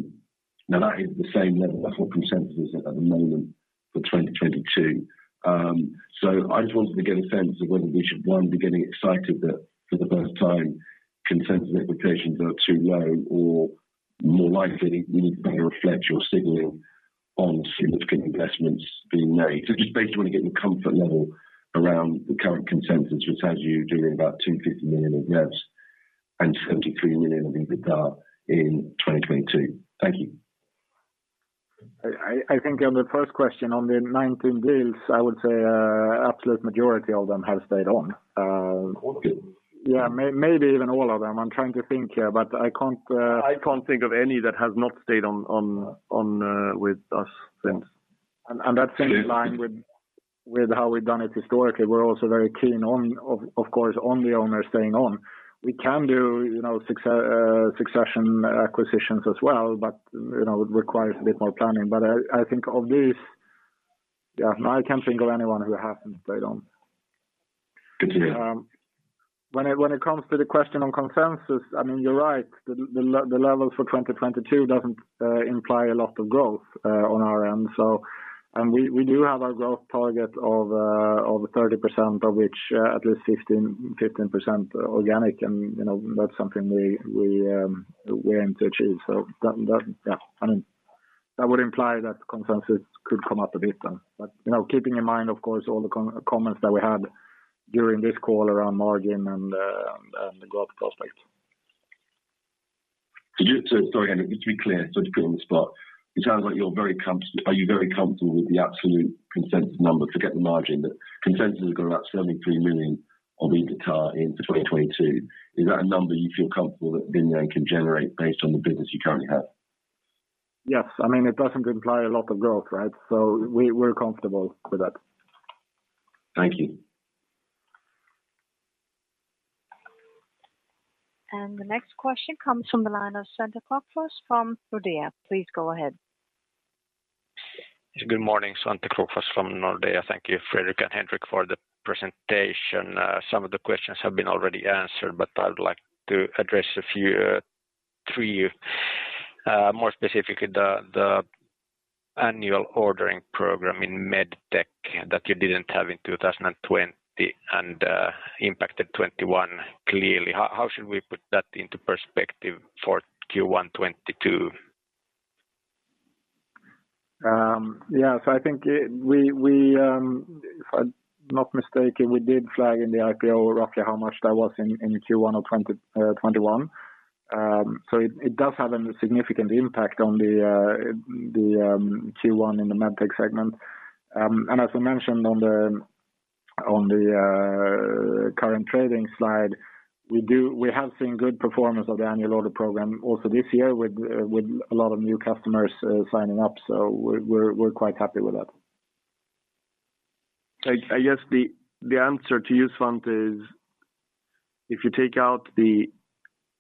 Now that is the same level as what consensus is at the moment for 2022. I just wanted to get a sense of whether we should, one, be getting excited that for the first time, consensus expectations are too low, or more likely we need to better reflect your signaling on significant investments being made. I just basically want to get your comfort level around the current consensus, which has you doing about 250 million in net and 73 million of EBITA in 2022. Thank you. I think on the first question on the 19 deals, I would say, absolute majority of them have stayed on. All of them. Yeah, maybe even all of them. I'm trying to think here, but I can't. I can't think of any that has not stayed on with us since. That's in line with how we've done it historically. We're also very keen on, of course, the owner staying on. We can do, you know, succession acquisitions as well, but, you know, it requires a bit more planning. I think of these. I can't think of anyone who hasn't stayed on. Good to hear. When it comes to the question on consensus, I mean, you're right. The levels for 2022 doesn't imply a lot of growth on our end. We do have our growth target of 30% of which at least 15% organic and, you know, that's something we aim to achieve. That, yeah. I mean, that would imply that consensus could come up a bit then. You know, keeping in mind, of course, all the comments that we had during this call around margin and the growth prospects. Sorry, Henrik, just to be clear, sorry to put you on the spot. It sounds like you're very comfortable with the absolute consensus number? Forget the margin, but consensus has got about 73 million of EBITDA in 2022. Is that a number you feel comfortable that Indien can generate based on the business you currently have? Yes. I mean, it doesn't imply a lot of growth, right? We're comfortable with that. Thank you. The next question comes from the line of Svante Krokfors from Nordea. Please go ahead. Good morning, Svante Krokfors from Nordea. Thank you, Fredrik and Henrik, for the presentation. Some of the questions have been already answered, but I would like to address a few, three more specific, the annual ordering program in MedTech that you didn't have in 2020 and impacted 2021 clearly. How should we put that into perspective for Q1 2022? Yeah. I think we, if I'm not mistaken, we did flag in the IPO roughly how much that was in Q1 of 2021. It does have a significant impact on the Q1 in the MedTech segment. As I mentioned on the current trading slide, we have seen good performance of the annual order program also this year with a lot of new customers signing up. We're quite happy with that. I guess the answer to you, Svante, is if you take out the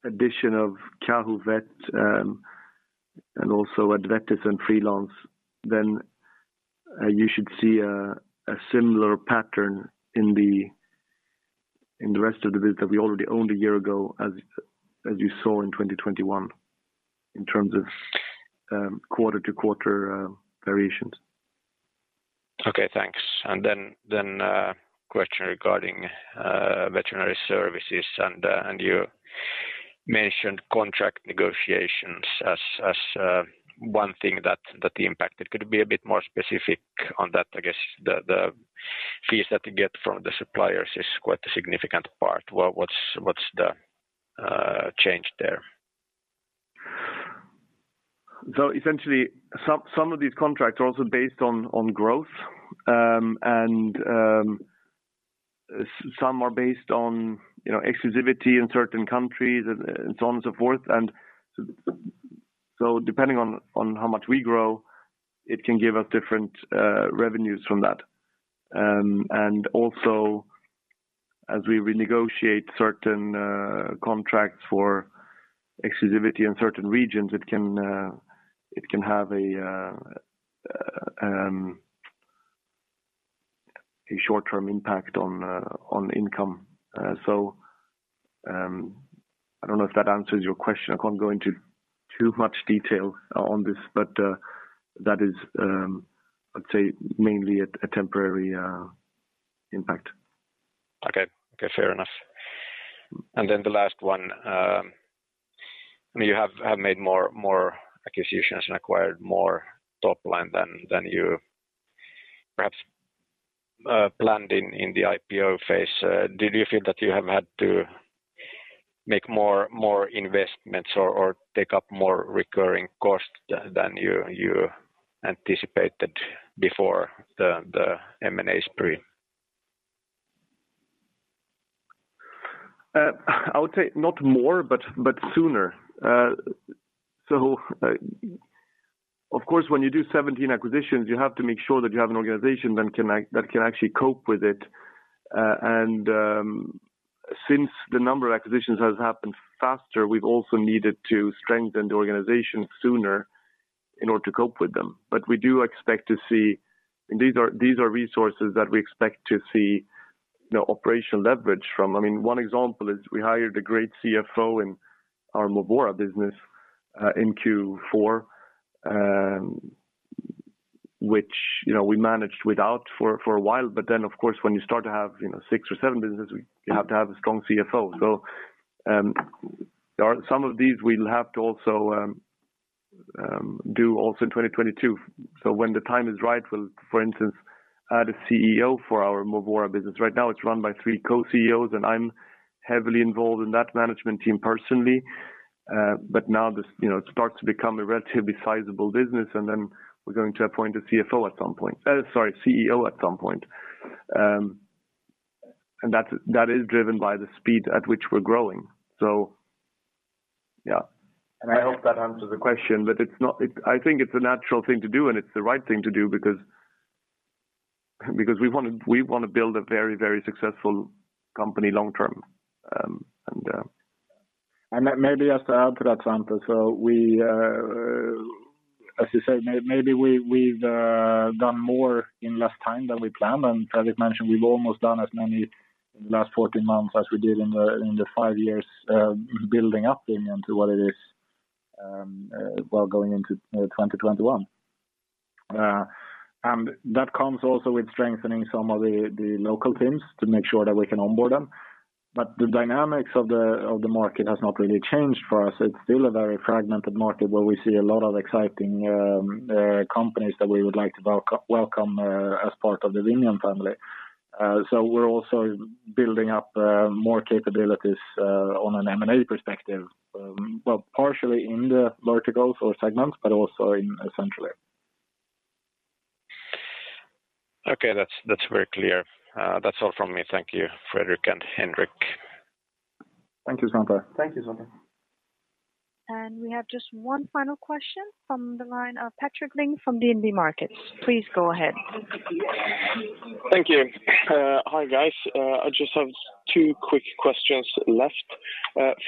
addition of Kahuvet, and also Advetis & Freelance, then you should see a similar pattern in the rest of the biz that we already owned a year ago as you saw in 2021 in terms of quarter-to-quarter variations. Okay, thanks. Question regarding Veterinary Services, and you mentioned contract negotiations as one thing that impacted. Could you be a bit more specific on that? I guess the fees that you get from the suppliers is quite a significant part. What's the change there? Essentially, some of these contracts are also based on growth, and some are based on, you know, exclusivity in certain countries and so on and so forth. Depending on how much we grow, it can give us different revenues from that. As we renegotiate certain contracts for exclusivity in certain regions, it can have a short-term impact on income. I don't know if that answers your question. I can't go into too much detail on this, but that is, I'd say mainly a temporary impact. Okay. Okay, fair enough. The last one, I mean, you have made more acquisitions and acquired more top line than you perhaps planned in the IPO phase. Did you feel that you have had to make more investments or take up more recurring costs than you anticipated before the M&A spree? I would say not more, but sooner. Of course, when you do 17 acquisitions, you have to make sure that you have an organization that can actually cope with it. Since the number of acquisitions has happened faster, we have also needed to strengthen the organization sooner in order to cope with them. We do expect to see these resources that we expect to see, you know, operational leverage from. I mean, one example is we hired a great CFO in our Movora business in Q4, which, you know, we managed without for a while. Of course, when you start to have, you know, six or seve businesses, you have to have a strong CFO. There are some of these we'll have to also do in 2022. When the time is right, we'll, for instance, add a CEO for our Movora business. Right now, it's run by three co-CEOs, and I'm heavily involved in that management team personally. But now this, you know, it starts to become a relatively sizable business, and then we're going to appoint a CFO at some point. Sorry, CEO at some point. And that is driven by the speed at which we're growing. Yeah. I hope that answers the question. It's not. I think it's a natural thing to do, and it's the right thing to do because we wanna build a very, very successful company long-term. And... Maybe just to add to that, Svante. We, as you said, maybe we've done more in less time than we planned. Fredrik mentioned we've almost done as many in the last 14 months as we did in the five years building up Indien to what it is today, going into 2021. That comes also with strengthening some of the local teams to make sure that we can onboard them. The dynamics of the market has not really changed for us. It's still a very fragmented market where we see a lot of exciting companies that we would like to welcome as part of the Vinnova family. We're also building up more capabilities on an M&A perspective, well, partially in the verticals or segments, but also in centrally. Okay. That's very clear. That's all from me. Thank you, Fredrik and Henrik. Thank you, Svante Krokfors. Thank you, Svante. We have just one final question from the line of Patrik Ling from DNB Markets. Please go ahead. Thank you. Hi, guys. I just have two quick questions left.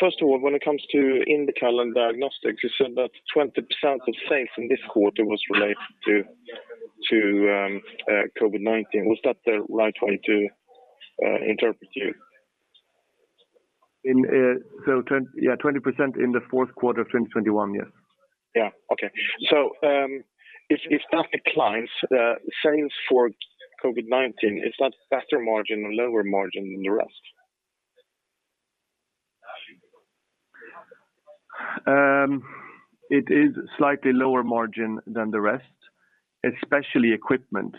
First of all, when it comes to Indical and Diagnostics, you said that 20% of sales in this quarter was related to COVID-19. Was that the right way to interpret you? 20% in the Q4 of 2021, yes. Yeah. Okay. If that declines sales for COVID-19, is that better margin or lower margin than the rest? It is slightly lower margin than the rest, especially equipment.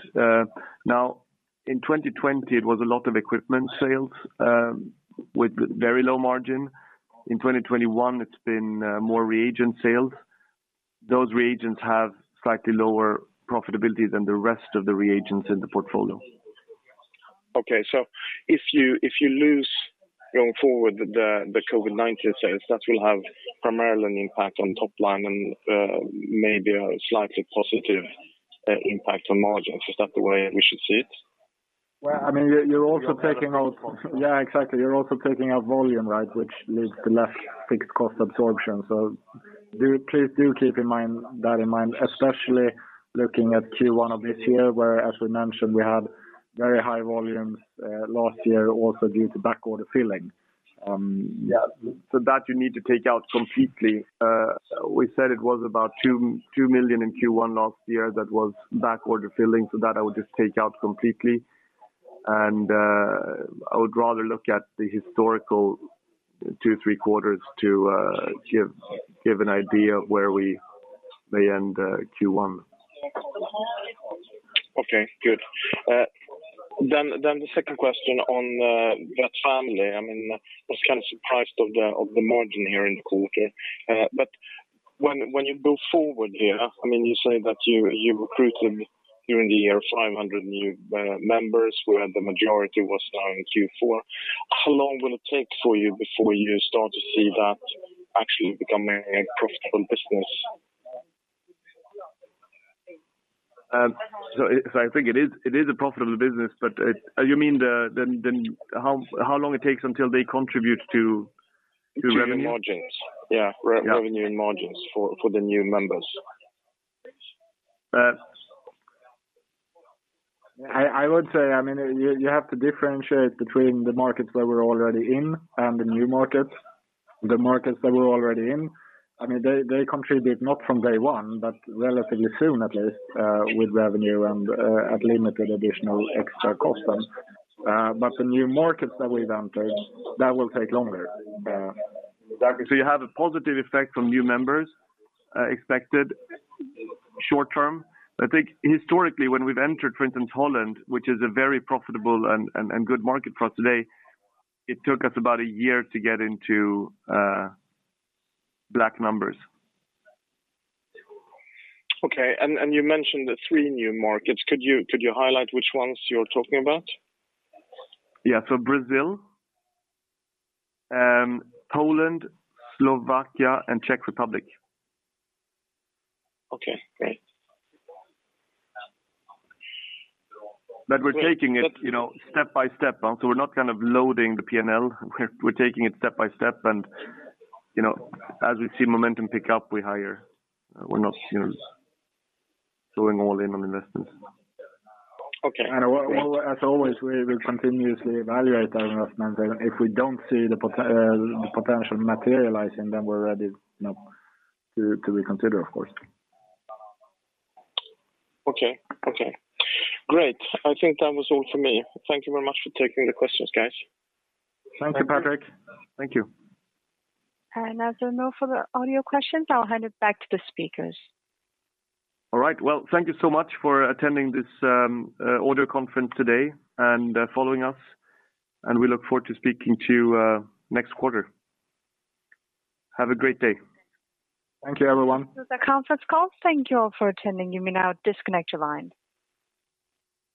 Now, in 2020, it was a lot of equipment sales, with very low margin. In 2021, it's been more reagent sales. Those reagents have slightly lower profitability than the rest of the reagents in the portfolio. Okay. If you lose, going forward, the COVID-19 sales, that will have primarily an impact on top line and maybe a slightly positive impact on margins. Is that the way we should see it? Well, I mean, you're also taking out- Yeah, exactly. You're also taking out volume, right? Which leads to less fixed cost absorption. Please do keep in mind, especially looking at Q1 of this year, where, as we mentioned, we had very high volumes last year also due to backorder filling. Yeah. That you need to take out completely. We said it was about 2 million in Q1 last year that was backorder filling, so that I would just take out completely. I would rather look at the historical two to three quarters to give an idea of where we may end Q1. Okay, good. The second question on Vet Family. I mean, I was kind of surprised of the margin here in the quarter. When you go forward here, I mean, you say that you recruited during the year 500 new members, where the majority was now in Q4. How long will it take for you before you start to see that actually becoming a profitable business? I think it is a profitable business, but you mean how long it takes until they contribute to revenue? To revenue margins. Yeah. Yeah. Revenue and margins for the new members. I would say, I mean, you have to differentiate between the markets that we're already in and the new markets. The markets that we're already in, I mean, they contribute not from day one, but relatively soon, at least, with revenue and at limited additional extra cost. The new markets that we've entered, that will take longer. Exactly. You have a positive effect from new members, expected short-term. I think historically, when we've entered, for instance, Holland, which is a very profitable and good market for us today, it took us about a year to get into black numbers. Okay. You mentioned the three new markets. Could you highlight which ones you're talking about? Yeah. Brazil, Poland, Slovakia, and Czech Republic. Okay, great. We're taking it. But- You know, step by step. We're not kind of loading the P&L. We're taking it step by step and, you know, as we see momentum pick-up, we hire. We're not, you know, going all in on investments. Okay. We, as always, will continuously evaluate our investment, and if we don't see the potential materializing, then we're ready, you know, to reconsider, of course. Okay. Okay. Great. I think that was all for me. Thank you very much for taking the questions, guys. Thank you. Thank you, Patrik. Thank you. As there are no further audio questions, I'll hand it back to the speakers. All right. Well, thank you so much for attending this audio conference today and following us. We look forward to speaking to you next quarter. Have a great day. Thank you, everyone. This is a conference call. Thank you all for attending. You may now disconnect your line.